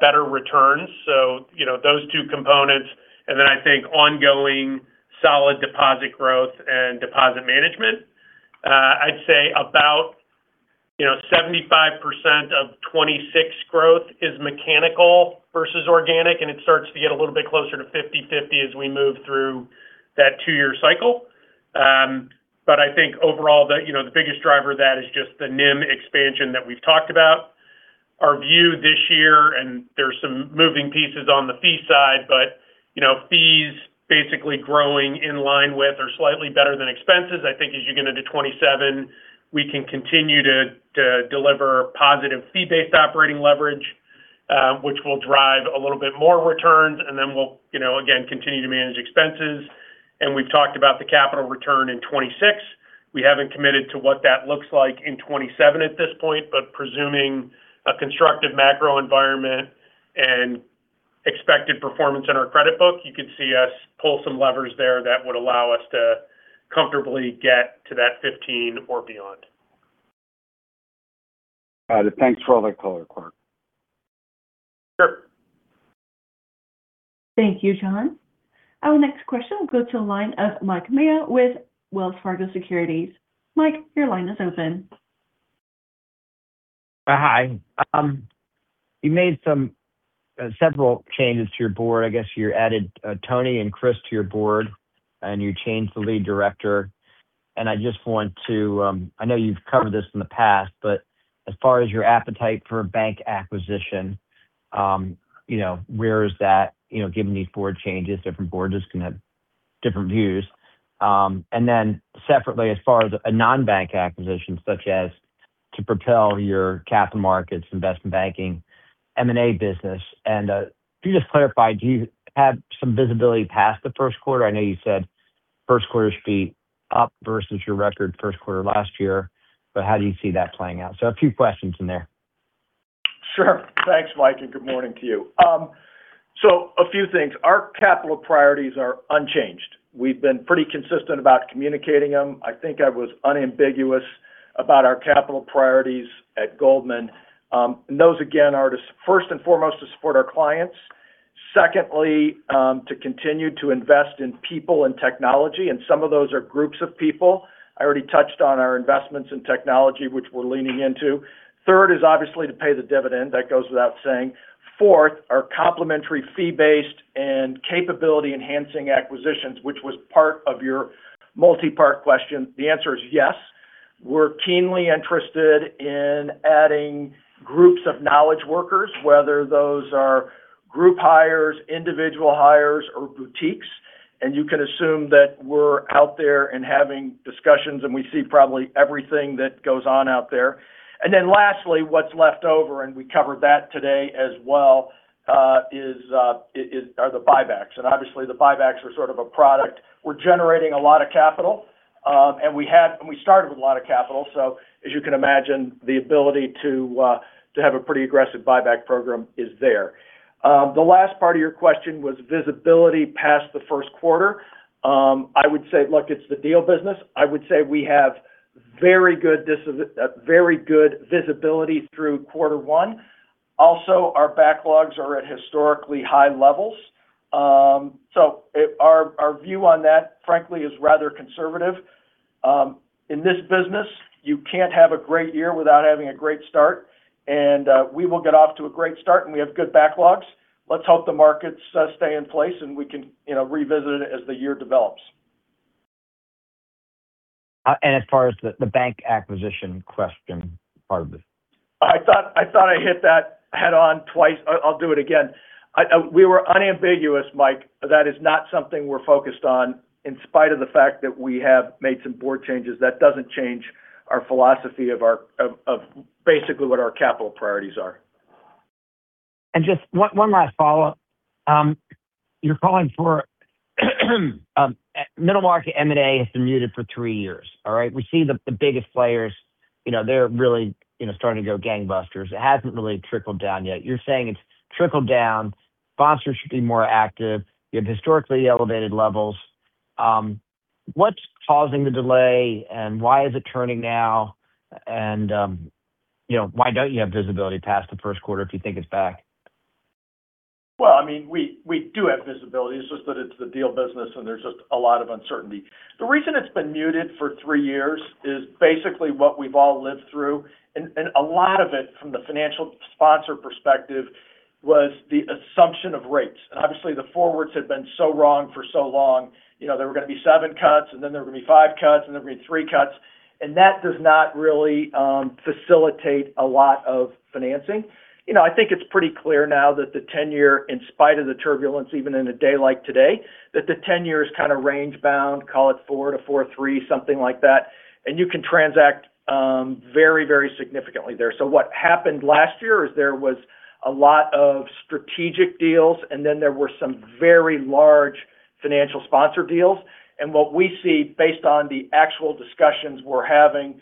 Speaker 4: better returns. So those two components. And then I think ongoing solid deposit growth and deposit management. I'd say about 75% of 2026 growth is mechanical versus organic, and it starts to get a little bit closer to 50/50 as we move through that two-year cycle, but I think overall, the biggest driver of that is just the NIM expansion that we've talked about. Our view this year, and there's some moving pieces on the fee side, but fees basically growing in line with or slightly better than expenses. I think as you get into 2027, we can continue to deliver positive fee-based operating leverage, which will drive a little bit more returns, and then we'll, again, continue to manage expenses, and we've talked about the capital return in 2026. We haven't committed to what that looks like in 2027 at this point, but presuming a constructive macro environment and expected performance in our credit book, you could see us pull some levers there that would allow us to comfortably get to that 15 or beyond.
Speaker 7: Got it. Thanks for all that color, Clark.
Speaker 4: Sure.
Speaker 1: Thank you, John. Our next question will go to a line of Mike Mayo with Wells Fargo Securities. Mike, your line is open.
Speaker 8: Hi. You made several changes to your board. I guess you added Tony and Chris to your board, and you changed the lead director. And I just want to. I know you've covered this in the past, but as far as your appetite for bank acquisition, where is that? Given these board changes, different boards are going to have different views. And then separately, as far as a non-bank acquisition, such as to propel your capital markets, investment banking, M&A business. And if you just clarify, do you have some visibility past the first quarter? I know you said first quarter should be up versus your record first quarter last year, but how do you see that playing out? So a few questions in there. Sure.
Speaker 3: Thanks, Mike. And good morning to you. So a few things. Our capital priorities are unchanged. We've been pretty consistent about communicating them. I think I was unambiguous about our capital priorities at Goldman. Those, again, are first and foremost to support our clients. Secondly, to continue to invest in people and technology. And some of those are groups of people. I already touched on our investments in technology, which we're leaning into. Third is obviously to pay the dividend. That goes without saying. Fourth, our complementary fee-based and capability-enhancing acquisitions, which was part of your multi-part question. The answer is yes. We're keenly interested in adding groups of knowledge workers, whether those are group hires, individual hires, or boutiques. And you can assume that we're out there and having discussions, and we see probably everything that goes on out there. And then lastly, what's left over, and we covered that today as well, are the buybacks. And obviously, the buybacks are sort of a product. We're generating a lot of capital. And we started with a lot of capital. So as you can imagine, the ability to have a pretty aggressive buyback program is there. The last part of your question was visibility past the first quarter. I would say, look, it's the deal business. I would say we have very good visibility through quarter one. Also, our backlogs are at historically high levels. So our view on that, frankly, is rather conservative. In this business, you can't have a great year without having a great start. And we will get off to a great start, and we have good backlogs. Let's hope the markets stay in place, and we can revisit it as the year develops. And as far as the bank acquisition question part of it. I thought I hit that head-on twice. I'll do it again. We were unambiguous, Mike. That is not something we're focused on. In spite of the fact that we have made some board changes, that doesn't change our philosophy of basically what our capital priorities are.
Speaker 8: And just one last follow-up. You're calling for middle market M&A has been muted for three years, all right? We see the biggest players. They're really starting to go gangbusters. It hasn't really trickled down yet. You're saying it's trickled down. Sponsors should be more active. You have historically elevated levels. What's causing the delay, and why is it turning now, and why don't you have visibility past the first quarter if you think it's back?
Speaker 3: Well, I mean, we do have visibility. It's just that it's the deal business, and there's just a lot of uncertainty. The reason it's been muted for three years is basically what we've all lived through. And a lot of it, from the financial sponsor perspective, was the assumption of rates. And obviously, the forwards had been so wrong for so long. There were going to be seven cuts, and then there were going to be five cuts, and there were going to be three cuts. And that does not really facilitate a lot of financing. I think it's pretty clear now that the 10-year, in spite of the turbulence, even in a day like today, that the 10-year is kind of range-bound, call it 4 to 4.3, something like that. And you can transact very, very significantly there. So what happened last year is there was a lot of strategic deals, and then there were some very large financial sponsor deals. And what we see, based on the actual discussions we're having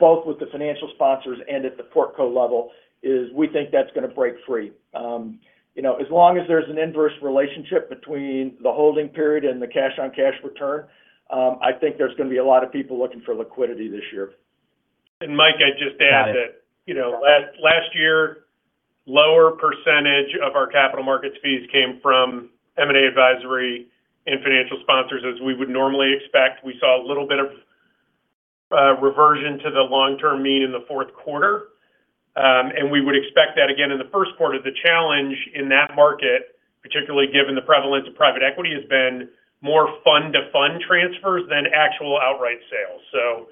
Speaker 3: both with the financial sponsors and at the portco level, is we think that's going to break free. As long as there's an inverse relationship between the holding period and the cash-on-cash return, I think there's going to be a lot of people looking for liquidity this year.
Speaker 4: Mike, I just add that last year, lower percentage of our capital markets fees came from M&A advisory and financial sponsors, as we would normally expect. We saw a little bit of reversion to the long-term mean in the fourth quarter. We would expect that again in the first quarter. The challenge in that market, particularly given the prevalence of private equity, has been more fund-to-fund transfers than actual outright sales. So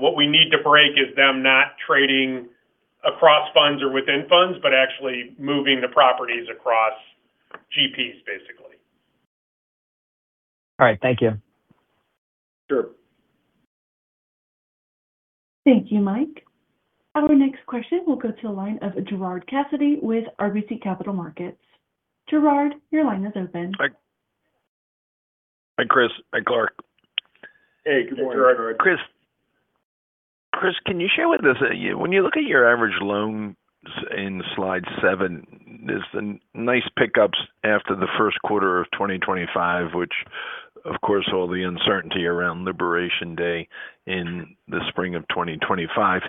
Speaker 4: what we need to break is them not trading across funds or within funds, but actually moving the properties across GPs, basically.
Speaker 8: All right. Thank you.
Speaker 4: Sure.
Speaker 1: Thank you, Mike. Our next question will go to a line of Gerard Cassidy with RBC Capital Markets. Gerard, your line is open.
Speaker 9: Hi, Chris. Hi, Clark.
Speaker 3: Hey. Good morning.
Speaker 9: Chris, can you share with us, when you look at your average loans in slide seven, there's some nice pickups after the first quarter of 2025, which, of course, all the uncertainty around Liberation Day in the spring of 2025.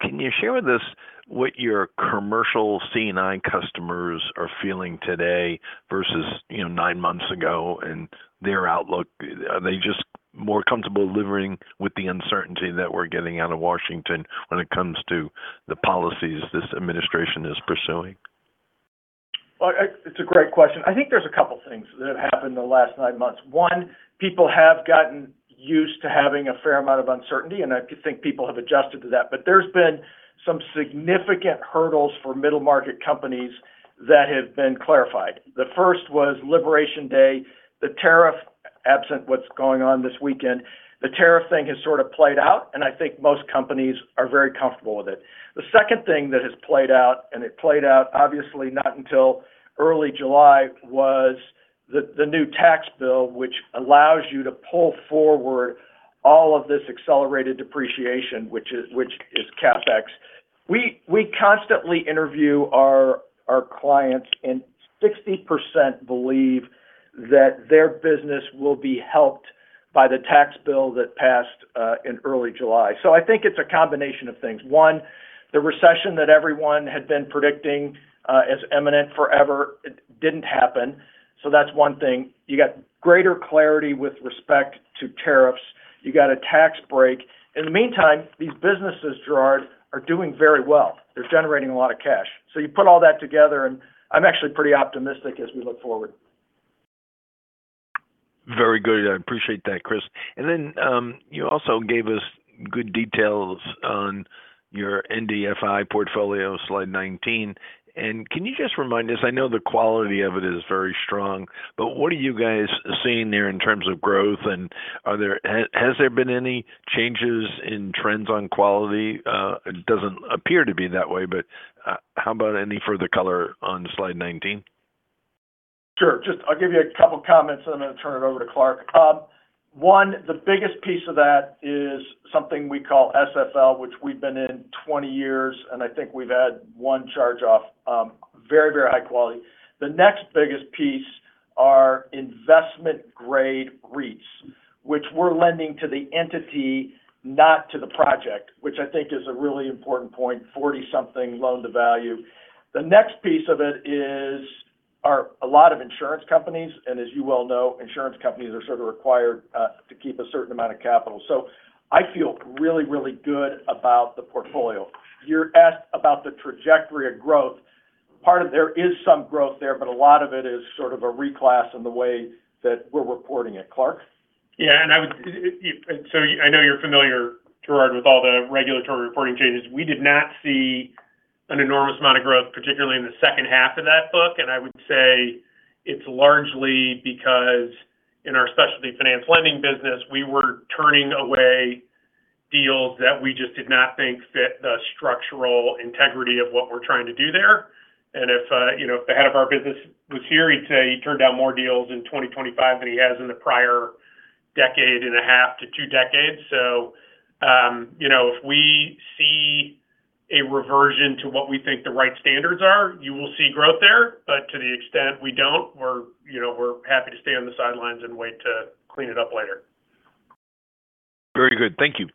Speaker 9: Can you share with us what your commercial C&I customers are feeling today versus nine months ago and their outlook? Are they just more comfortable living with the uncertainty that we're getting out of Washington when it comes to the policies this administration is pursuing?
Speaker 3: It's a great question. I think there's a couple of things that have happened in the last nine months. One, people have gotten used to having a fair amount of uncertainty, and I think people have adjusted to that. But there's been some significant hurdles for middle market companies that have been clarified. The first was Liberation Day. The tariff, absent what's going on this weekend, the tariff thing has sort of played out, and I think most companies are very comfortable with it. The second thing that has played out, and it played out, obviously, not until early July, was the new tax bill, which allows you to pull forward all of this accelerated depreciation, which is CapEx. We constantly interview our clients, and 60% believe that their business will be helped by the tax bill that passed in early July. So I think it's a combination of things. One, the recession that everyone had been predicting as imminent forever didn't happen. So that's one thing. You got greater clarity with respect to tariffs. You got a tax break. In the meantime, these businesses, Gerard, are doing very well. They're generating a lot of cash. So you put all that together, and I'm actually pretty optimistic as we look forward.
Speaker 9: Very good. I appreciate that, Chris, and then you also gave us good details on your NDFI portfolio, slide 19, and can you just remind us? I know the quality of it is very strong, but what are you guys seeing there in terms of growth, and has there been any changes in trends on quality? It doesn't appear to be that way, but how about any further color on slide 19?
Speaker 3: Sure. Just, I'll give you a couple of comments, and I'm going to turn it over to Clark. One, the biggest piece of that is something we call SFL, which we've been in 20 years, and I think we've had one charge-off. Very, very high quality. The next biggest piece are investment-grade REITs, which we're lending to the entity, not to the project, which I think is a really important point. 40-something loan to value. The next piece of it is a lot of insurance companies. And as you well know, insurance companies are sort of required to keep a certain amount of capital. So I feel really, really good about the portfolio. You're asked about the trajectory of growth. There is some growth there, but a lot of it is sort of a reclass in the way that we're reporting it. Clark?
Speaker 4: Yeah. And so I know you're familiar, Gerard, with all the regulatory reporting changes. We did not see an enormous amount of growth, particularly in the second half of that book. And I would say it's largely because in our specialty finance lending business, we were turning away deals that we just did not think fit the structural integrity of what we're trying to do there. And if the head of our business was here, he'd say he turned down more deals in 2025 than he has in the prior decade and a half to two decades. So if we see a reversion to what we think the right standards are, you will see growth there. But to the extent we don't, we're happy to stay on the sidelines and wait to clean it up later.
Speaker 9: Very good. Thank you.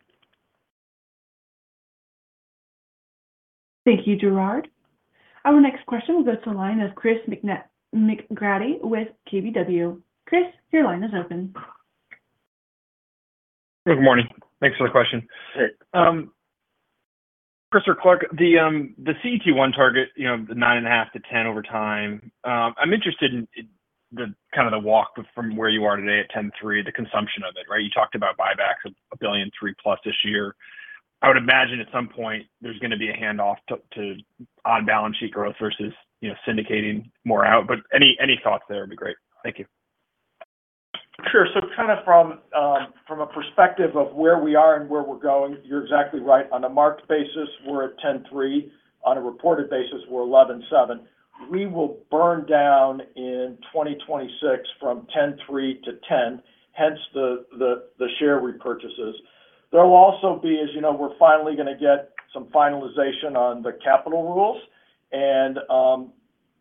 Speaker 1: Thank you, Gerard. Our next question will go to a line of Chris McGratty with KBW. Chris, your line is open. Good morning. Thanks for the question.
Speaker 10: Chris, Clark, the CET1 target, the 9.5%-10% over time, I'm interested in kind of the walk from where you are today at 10.3%, the consumption of it, right? You talked about buybacks of $1.3 billion-plus this year. I would imagine at some point, there's going to be a handoff to on-balance sheet growth versus syndicating more out. But any thoughts there would be great. Thank you.
Speaker 3: Sure. So kind of from a perspective of where we are and where we're going, you're exactly right. On a marked basis, we're at 10.3%. On a reported basis, we're 11.7%. We will burn down in 2026 from 10.3% to 10%, hence the share repurchases. There will also be, as you know, we're finally going to get some finalization on the capital rules. And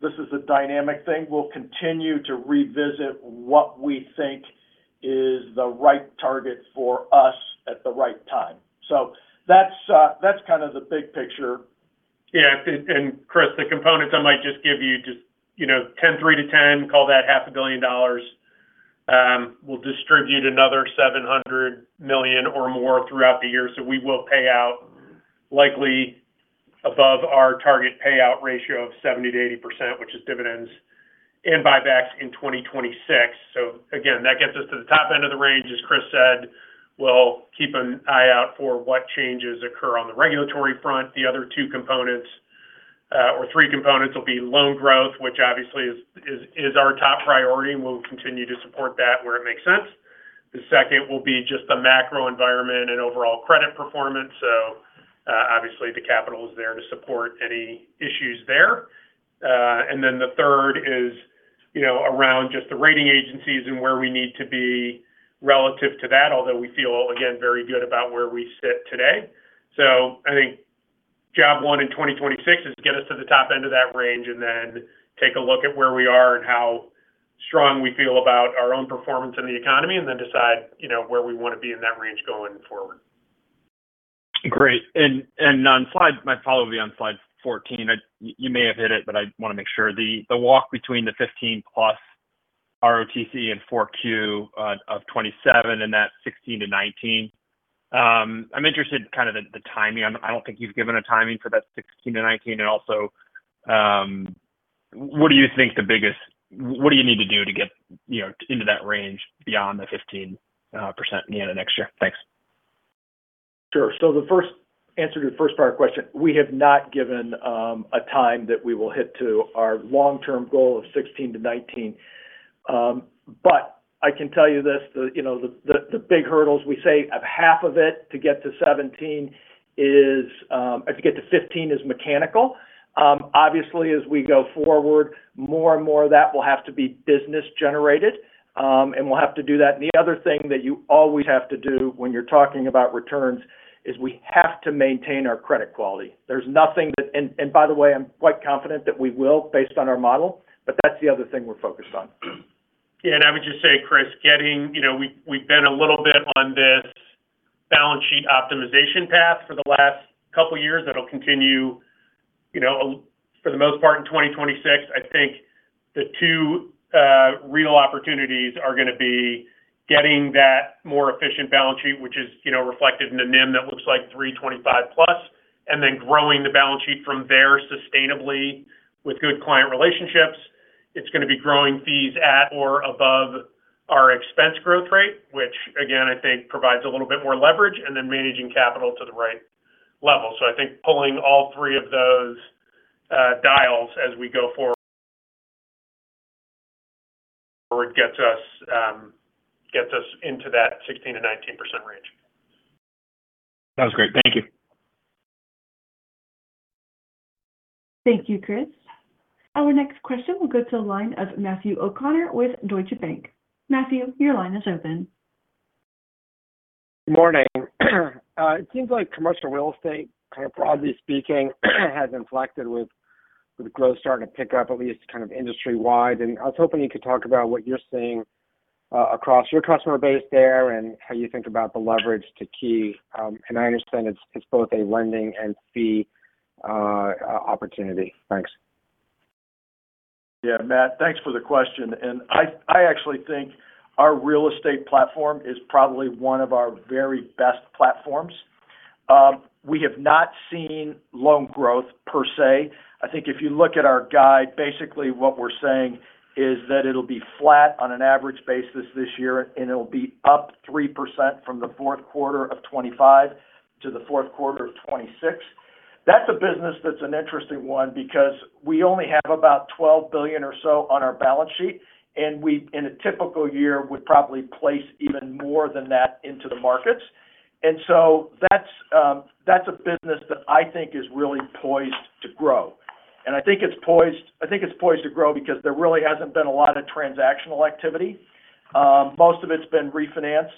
Speaker 3: this is a dynamic thing. We'll continue to revisit what we think is the right target for us at the right time. So that's kind of the big picture.
Speaker 4: Yeah. And Chris, the components I might just give you, just 10-3 to 10, call that $500 million. We'll distribute another $700 million or more throughout the year. So we will pay out likely above our target payout ratio of 70%-80%, which is dividends and buybacks in 2026. So again, that gets us to the top end of the range, as Chris said. We'll keep an eye out for what changes occur on the regulatory front. The other two components or three components will be loan growth, which obviously is our top priority, and we'll continue to support that where it makes sense. The second will be just the macro environment and overall credit performance. So obviously, the capital is there to support any issues there. And then the third is around just the rating agencies and where we need to be relative to that, although we feel, again, very good about where we sit today. So I think job one in 2026 is to get us to the top end of that range and then take a look at where we are and how strong we feel about our own performance in the economy and then decide where we want to be in that range going forward.
Speaker 10: Great. And my follow-up would be on slide 14. You may have hit it, but I want to make sure. The walk between the 15-plus ROTCE and 4Q of 2027 and that 16%-19%. I'm interested in kind of the timing. I don't think you've given a timing for that 16%-19%. And also, what do you think the biggest what do you need to do to get into that range beyond the 15% next year? Thanks.
Speaker 4: Sure. So the first answer to the first part of the question, we have not given a time that we will hit to our long-term goal of 16%-19%. But I can tell you this. The big hurdles, we say of half of it to get to 17% is to get to 15% is mechanical. Obviously, as we go forward, more and more of that will have to be business-generated, and we'll have to do that. And the other thing that you always have to do when you're talking about returns is we have to maintain our credit quality. There's nothing that and by the way, I'm quite confident that we will based on our model, but that's the other thing we're focused on.
Speaker 3: Yeah. And I would just say, Chris, we've been a little bit on this balance sheet optimization path for the last couple of years. That'll continue for the most part in 2026. I think the two real opportunities are going to be getting that more efficient balance sheet, which is reflected in a NIM that looks like 325-plus, and then growing the balance sheet from there sustainably with good client relationships. It's going to be growing fees at or above our expense growth rate, which, again, I think provides a little bit more leverage, and then managing capital to the right level. So I think pulling all three of those dials as we go forward gets us into that 16%-19% range.
Speaker 10: That was great. Thank you.
Speaker 1: Thank you, Chris. Our next question will go to a line of Matthew O'Connor with Deutsche Bank.
Speaker 11: Matthew, your line is open. Good morning. It seems like commercial real estate, kind of broadly speaking, has inflected with growth starting to pick up, at least kind of industry-wide. And I was hoping you could talk about what you're seeing across your customer base there and how you think about the leverage to Key. And I understand it's both a lending and fee opportunity. Thanks.
Speaker 3: Yeah. Matt, thanks for the question. And I actually think our real estate platform is probably one of our very best platforms. We have not seen loan growth per se. I think if you look at our guide, basically what we're saying is that it'll be flat on an average basis this year, and it'll be up 3% from the fourth quarter of 2025 to the fourth quarter of 2026. That's a business that's an interesting one because we only have about $12 billion or so on our balance sheet, and in a typical year, we'd probably place even more than that into the markets. And so that's a business that I think is really poised to grow. And I think it's poised to grow because there really hasn't been a lot of transactional activity. Most of it's been refinanced.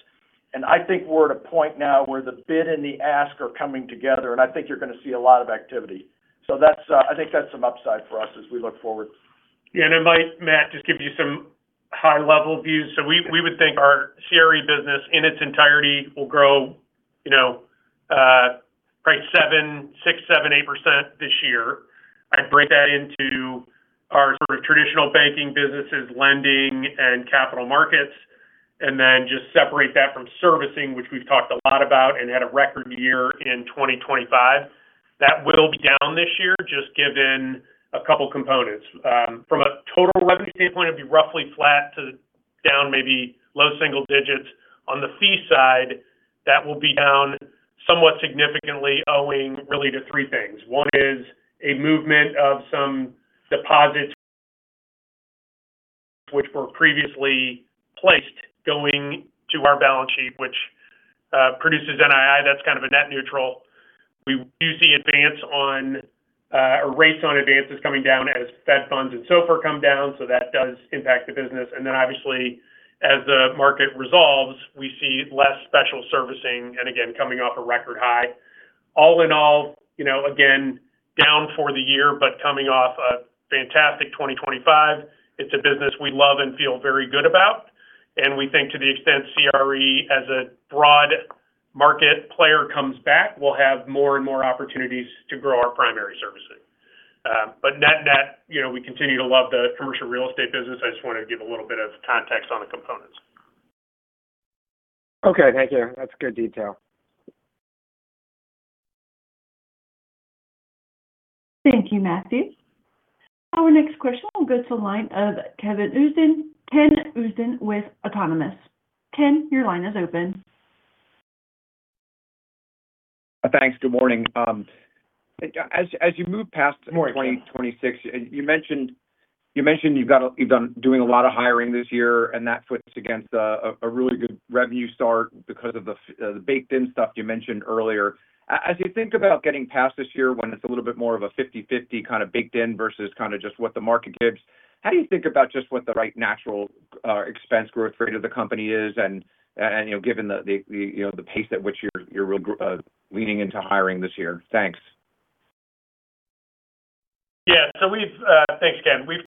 Speaker 3: And I think we're at a point now where the bid and the ask are coming together, and I think you're going to see a lot of activity. So I think that's some upside for us as we look forward.
Speaker 4: Yeah. And it might, Matt, just give you some high-level views. So we would think our CRE business in its entirety will grow probably 6%-8% this year. I'd break that into our sort of traditional banking businesses, lending, and capital markets, and then just separate that from servicing, which we've talked a lot about and had a record year in 2025. That will be down this year just given a couple of components. From a total revenue standpoint, it'd be roughly flat to down maybe low single digits. On the fee side, that will be down somewhat significantly, owing really to three things. One is a movement of some deposits, which were previously placed, going to our balance sheet, which produces NII. That's kind of a net neutral. We do see rates on advances coming down as Fed funds and so forth come down, so that does impact the business. And then obviously, as the market resolves, we see less special servicing and, again, coming off a record high. All in all, again, down for the year, but coming off a fantastic 2025. It's a business we love and feel very good about, and we think to the extent CRE, as a broad market player, comes back, we'll have more and more opportunities to grow our primary servicing. But net net, we continue to love the commercial real estate business. I just wanted to give a little bit of context on the components.
Speaker 11: Okay. Thank you. That's good detail.
Speaker 1: Thank you, Matthew. Our next question will go to a line of Ken Usdin with Autonomous Research. Ken, your line is open.
Speaker 12: Thanks. Good morning. As you move past 2026, you mentioned you've been doing a lot of hiring this year, and that puts against a really good revenue start because of the baked-in stuff you mentioned earlier. As you think about getting past this year when it's a little bit more of a 50/50 kind of baked-in versus kind of just what the market gives, how do you think about just what the right natural expense growth rate of the company is, and given the pace at which you're leaning into hiring this year? Thanks.
Speaker 3: Yeah. So thanks, Ken. We've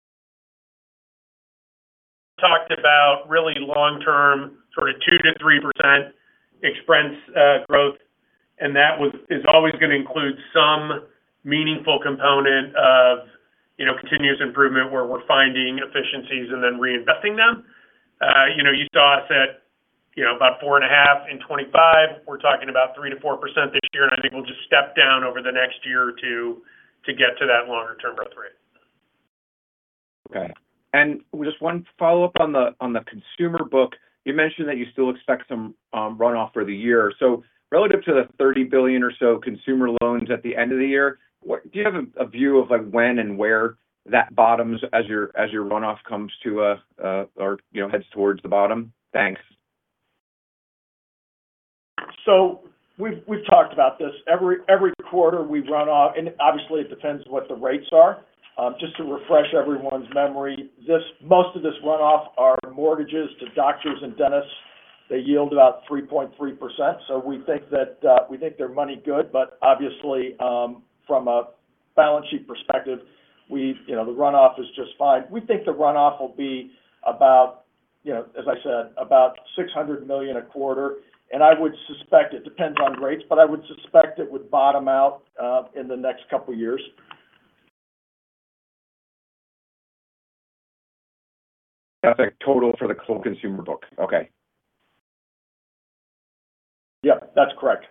Speaker 3: talked about really long-term sort of 2%-3% expense growth, and that is always going to include some meaningful component of continuous improvement where we're finding efficiencies and then reinvesting them. You saw us at about 4.5% in 2025. We're talking about 3%-4% this year, and I think we'll just step down over the next year or two to get to that longer-term growth rate.
Speaker 12: Okay. And just one follow-up on the consumer book. You mentioned that you still expect some runoff for the year. So relative to the $30 billion or so consumer loans at the end of the year, do you have a view of when and where that bottoms as your runoff comes to or heads towards the bottom? Thanks.
Speaker 3: So we've talked about this. Every quarter, we run off, and obviously, it depends what the rates are. Just to refresh everyone's memory, most of this runoff are mortgages to doctors and dentists. They yield about 3.3%. So we think their money good, but obviously, from a balance sheet perspective, the runoff is just fine. We think the runoff will be, as I said, about $600 million a quarter. And I would suspect it depends on rates, but I would suspect it would bottom out in the next couple of years.
Speaker 12: Perfect. Total for the whole consumer book. Okay.
Speaker 3: Yep. That's correct.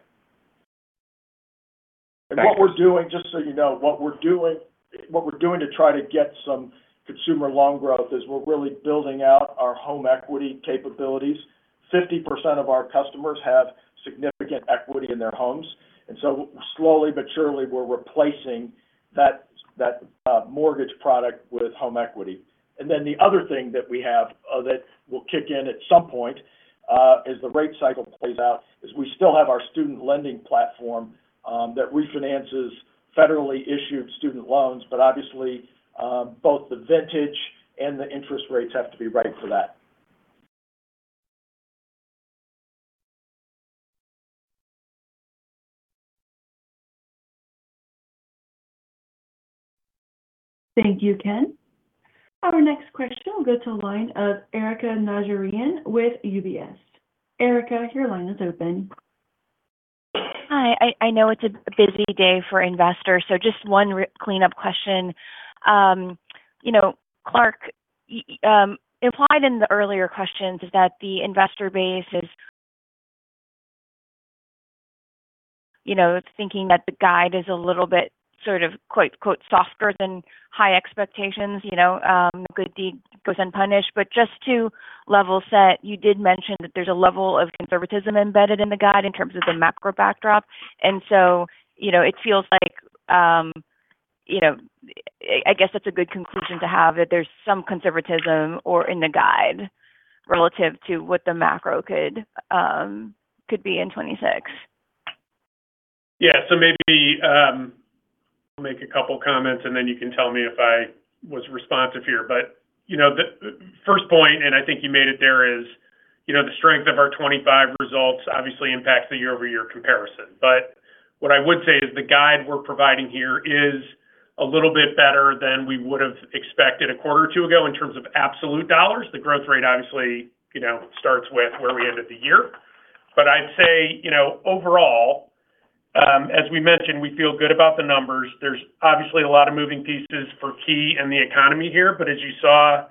Speaker 3: And what we're doing, just so you know, what we're doing to try to get some consumer loan growth is we're really building out our home equity capabilities. 50% of our customers have significant equity in their homes. And so slowly but surely, we're replacing that mortgage product with home equity. And then the other thing that we have that will kick in at some point as the rate cycle plays out is we still have our student lending platform that refinances federally issued student loans, but obviously, both the vintage and the interest rates have to be right for that.
Speaker 1: Thank you, Ken. Our next question will go to a line of Erika Najarian with UBS. Erika, your line is open.
Speaker 13: Hi. I know it's a busy day for investors, so just one clean-up question. Clark, implied in the earlier questions is that the investor base is thinking that the guide is a little bit sort of "softer than high expectations." The good deed goes unpunished. But just to level set, you did mention that there's a level of conservatism embedded in the guide in terms of the macro backdrop. And so it feels like I guess that's a good conclusion to have that there's some conservatism in the guide relative to what the macro could be in 2026.
Speaker 4: Yeah. So maybe I'll make a couple of comments, and then you can tell me if I was responsive here. But the first point, and I think you made it there, is the strength of our 2025 results obviously impacts the year-over-year comparison. But what I would say is the guide we're providing here is a little bit better than we would have expected a quarter or two ago in terms of absolute dollars. The growth rate obviously starts with where we ended the year. But I'd say overall, as we mentioned, we feel good about the numbers. There's obviously a lot of moving pieces for Key in the economy here. But as you saw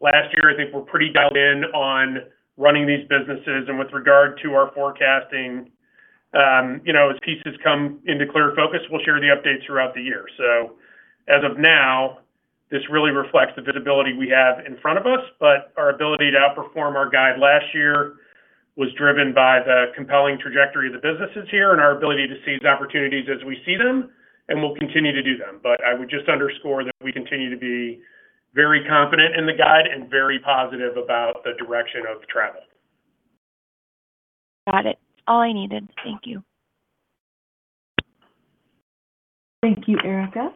Speaker 4: last year, I think we're pretty dialed in on running these businesses. And with regard to our forecasting, as pieces come into clear focus, we'll share the updates throughout the year. So as of now, this really reflects the visibility we have in front of us. But our ability to outperform our guide last year was driven by the compelling trajectory of the businesses here and our ability to seize opportunities as we see them, and we'll continue to do them. But I would just underscore that we continue to be very confident in the guide and very positive about the direction of travel.
Speaker 13: Got it. All I needed. Thank you.
Speaker 1: Thank you, Erica.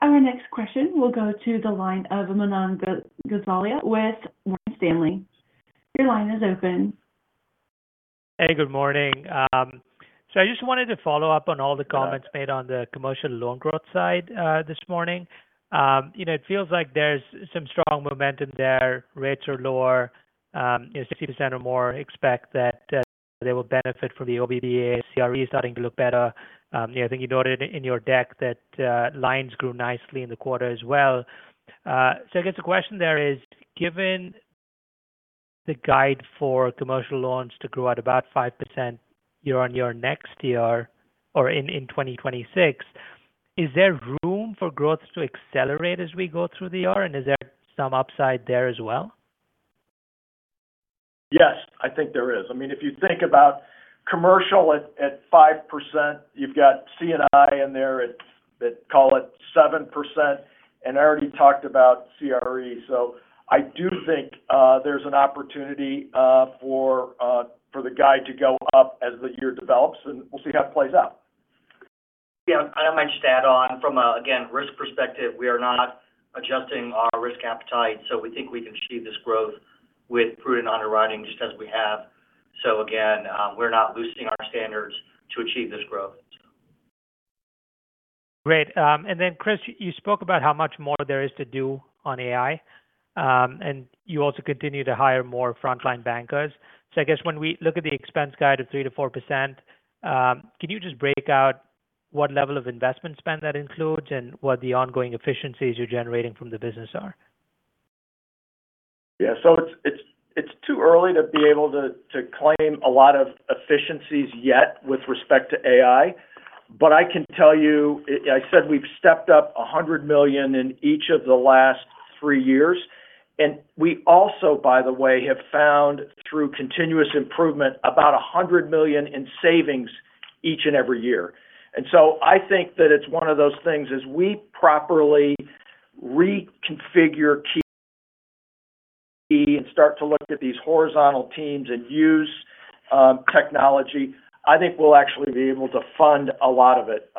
Speaker 1: Our next question will go to the line of Manan Gosalia with Morgan Stanley. Your line is open.
Speaker 14: Hey, good morning. So I just wanted to follow up on all the comments made on the commercial loan growth side this morning. It feels like there's some strong momentum there. Rates are lower, 60% or more. Expect that they will benefit from the OBDA. CRE is starting to look better. I think you noted in your deck that lines grew nicely in the quarter as well. So I guess the question there is, given the guide for commercial loans to grow at about 5% year-on-year next year or in 2026, is there room for growth to accelerate as we go through the year? And is there some upside there as well?
Speaker 3: Yes, I think there is. I mean, if you think about commercial at 5%, you've got C&I in there at, call it, 7%. And I already talked about CRE. So I do think there's an opportunity for the guide to go up as the year develops, and we'll see how it plays out.
Speaker 4: Yeah. And I'll mention to add on, from a, again, risk perspective, we are not adjusting our risk appetite. So we think we can achieve this growth with prudent underwriting just as we have. So again, we're not loosening our standards to achieve this growth.
Speaker 14: Great. And then, Chris, you spoke about how much more there is to do on AI, and you also continue to hire more frontline bankers. So I guess when we look at the expense guide of 3%-4%, can you just break out what level of investment spend that includes and what the ongoing efficiencies you're generating from the business are?
Speaker 3: Yeah. So it's too early to be able to claim a lot of efficiencies yet with respect to AI. But I can tell you, I said we've stepped up $100 million in each of the last three years. And we also, by the way, have found through continuous improvement about $100 million in savings each and every year. And so I think that it's one of those things as we properly reconfigure Key and start to look at these horizontal teams and use technology, I think we'll actually be able to fund a lot of it.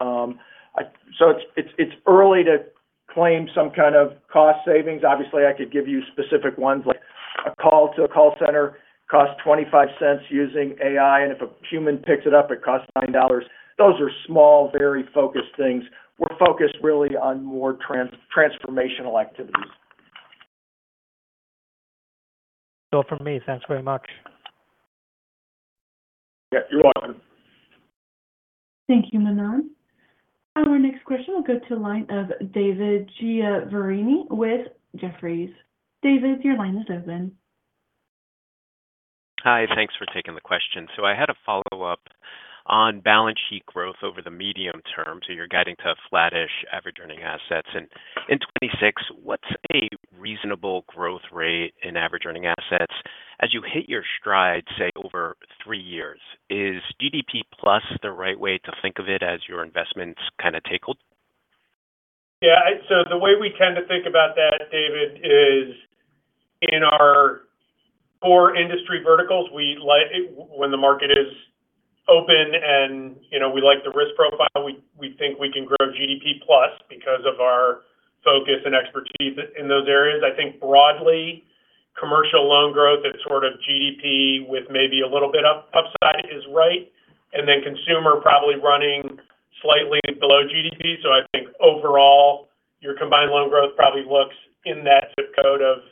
Speaker 3: So it's early to claim some kind of cost savings. Obviously, I could give you specific ones like a call to a call center costs $0.25 using AI, and if a human picks it up, it costs $9. Those are small, very focused things. We're focused really on more transformational activities.
Speaker 14: So for me, thanks very much.
Speaker 3: Yeah. You're welcome.
Speaker 1: Thank you, Manan. Our next question will go to a line of David Chiaverini with Jefferies. David, your line is open.
Speaker 15: Hi. Thanks for taking the question. So I had a follow-up on balance sheet growth over the medium term. So you're guiding to flat-ish average earning assets. And in 2026, what's a reasonable growth rate in average earning assets as you hit your stride, say, over three years? Is GDP plus the right way to think of it as your investments kind of take hold?
Speaker 4: Yeah. So the way we tend to think about that, David, is in our four industry verticals, when the market is open and we like the risk profile, we think we can grow GDP plus because of our focus and expertise in those areas. I think broadly, commercial loan growth at sort of GDP with maybe a little bit of upside is right. And then consumer probably running slightly below GDP. So I think overall, your combined loan growth probably looks in that zip code of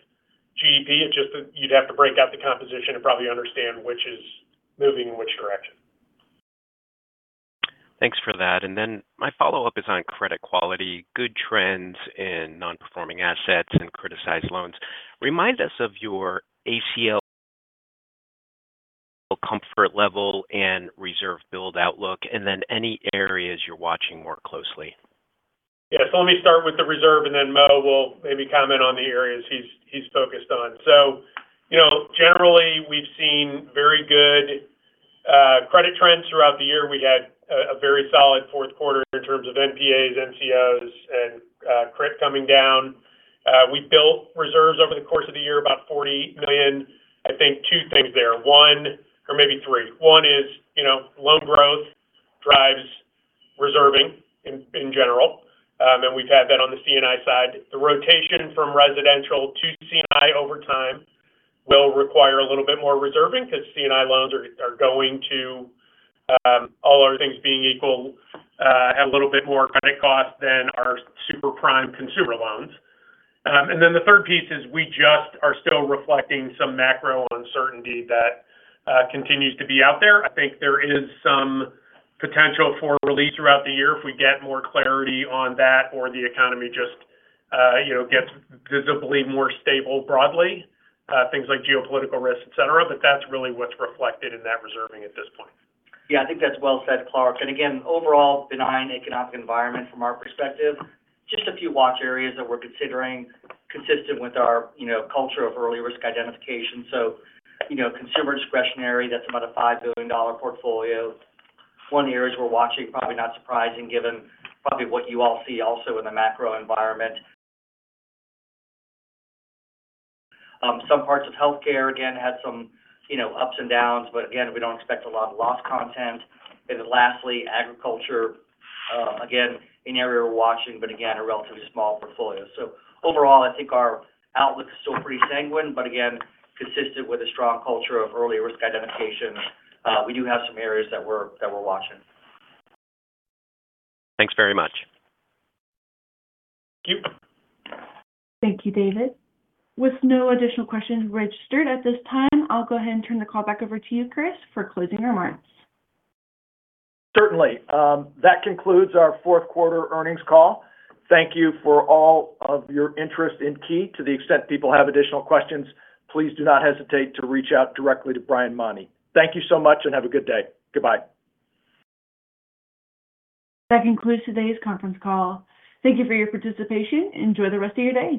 Speaker 4: GDP. It's just that you'd have to break out the composition and probably understand which is moving in which direction.
Speaker 15: Thanks for that. And then my follow-up is on credit quality, good trends in non-performing assets, and criticized loans. Remind us of your ACL comfort level and reserve build outlook, and then any areas you're watching more closely.
Speaker 4: Yeah. So let me start with the reserve, and then Mo will maybe comment on the areas he's focused on. So generally, we've seen very good credit trends throughout the year. We had a very solid fourth quarter in terms of NPAs, NCOs, and CRIT coming down. We built reserves over the course of the year, about $40 million. I think two things there. One or maybe three. One is loan growth drives reserving in general. And we've had that on the C&I side. The rotation from residential to C&I over time will require a little bit more reserving because C&I loans are going to, all our things being equal, have a little bit more credit cost than our super prime consumer loans. And then the third piece is we just are still reflecting some macro uncertainty that continues to be out there. I think there is some potential for relief throughout the year if we get more clarity on that or the economy just gets visibly more stable broadly, things like geopolitical risk, etc. But that's really what's reflected in that reserving at this point.
Speaker 3: Yeah. I think that's well said, Clark. And again, overall, benign economic environment from our perspective. Just a few watch areas that we're considering consistent with our culture of early risk identification. So consumer discretionary, that's about a $5 billion portfolio. One of the areas we're watching, probably not surprising given probably what you all see also in the macro environment. Some parts of healthcare, again, had some ups and downs, but again, we don't expect a lot of loss content. And then lastly, agriculture, again, an area we're watching, but again, a relatively small portfolio. So overall, I think our outlook is still pretty sanguine, but again, consistent with a strong culture of early risk identification. We do have some areas that we're watching.
Speaker 15: Thanks very much.
Speaker 1: Thank you. Thank you, David. With no additional questions registered at this time, I'll go ahead and turn the call back over to you, Chris, for closing remarks.
Speaker 3: Certainly. That concludes our fourth quarter earnings call. Thank you for all of your interest in Key. To the extent people have additional questions, please do not hesitate to reach out directly to Brian Mauney. Thank you so much and have a good day. Goodbye.
Speaker 1: That concludes today's conference call. Thank you for your participation. Enjoy the rest of your day.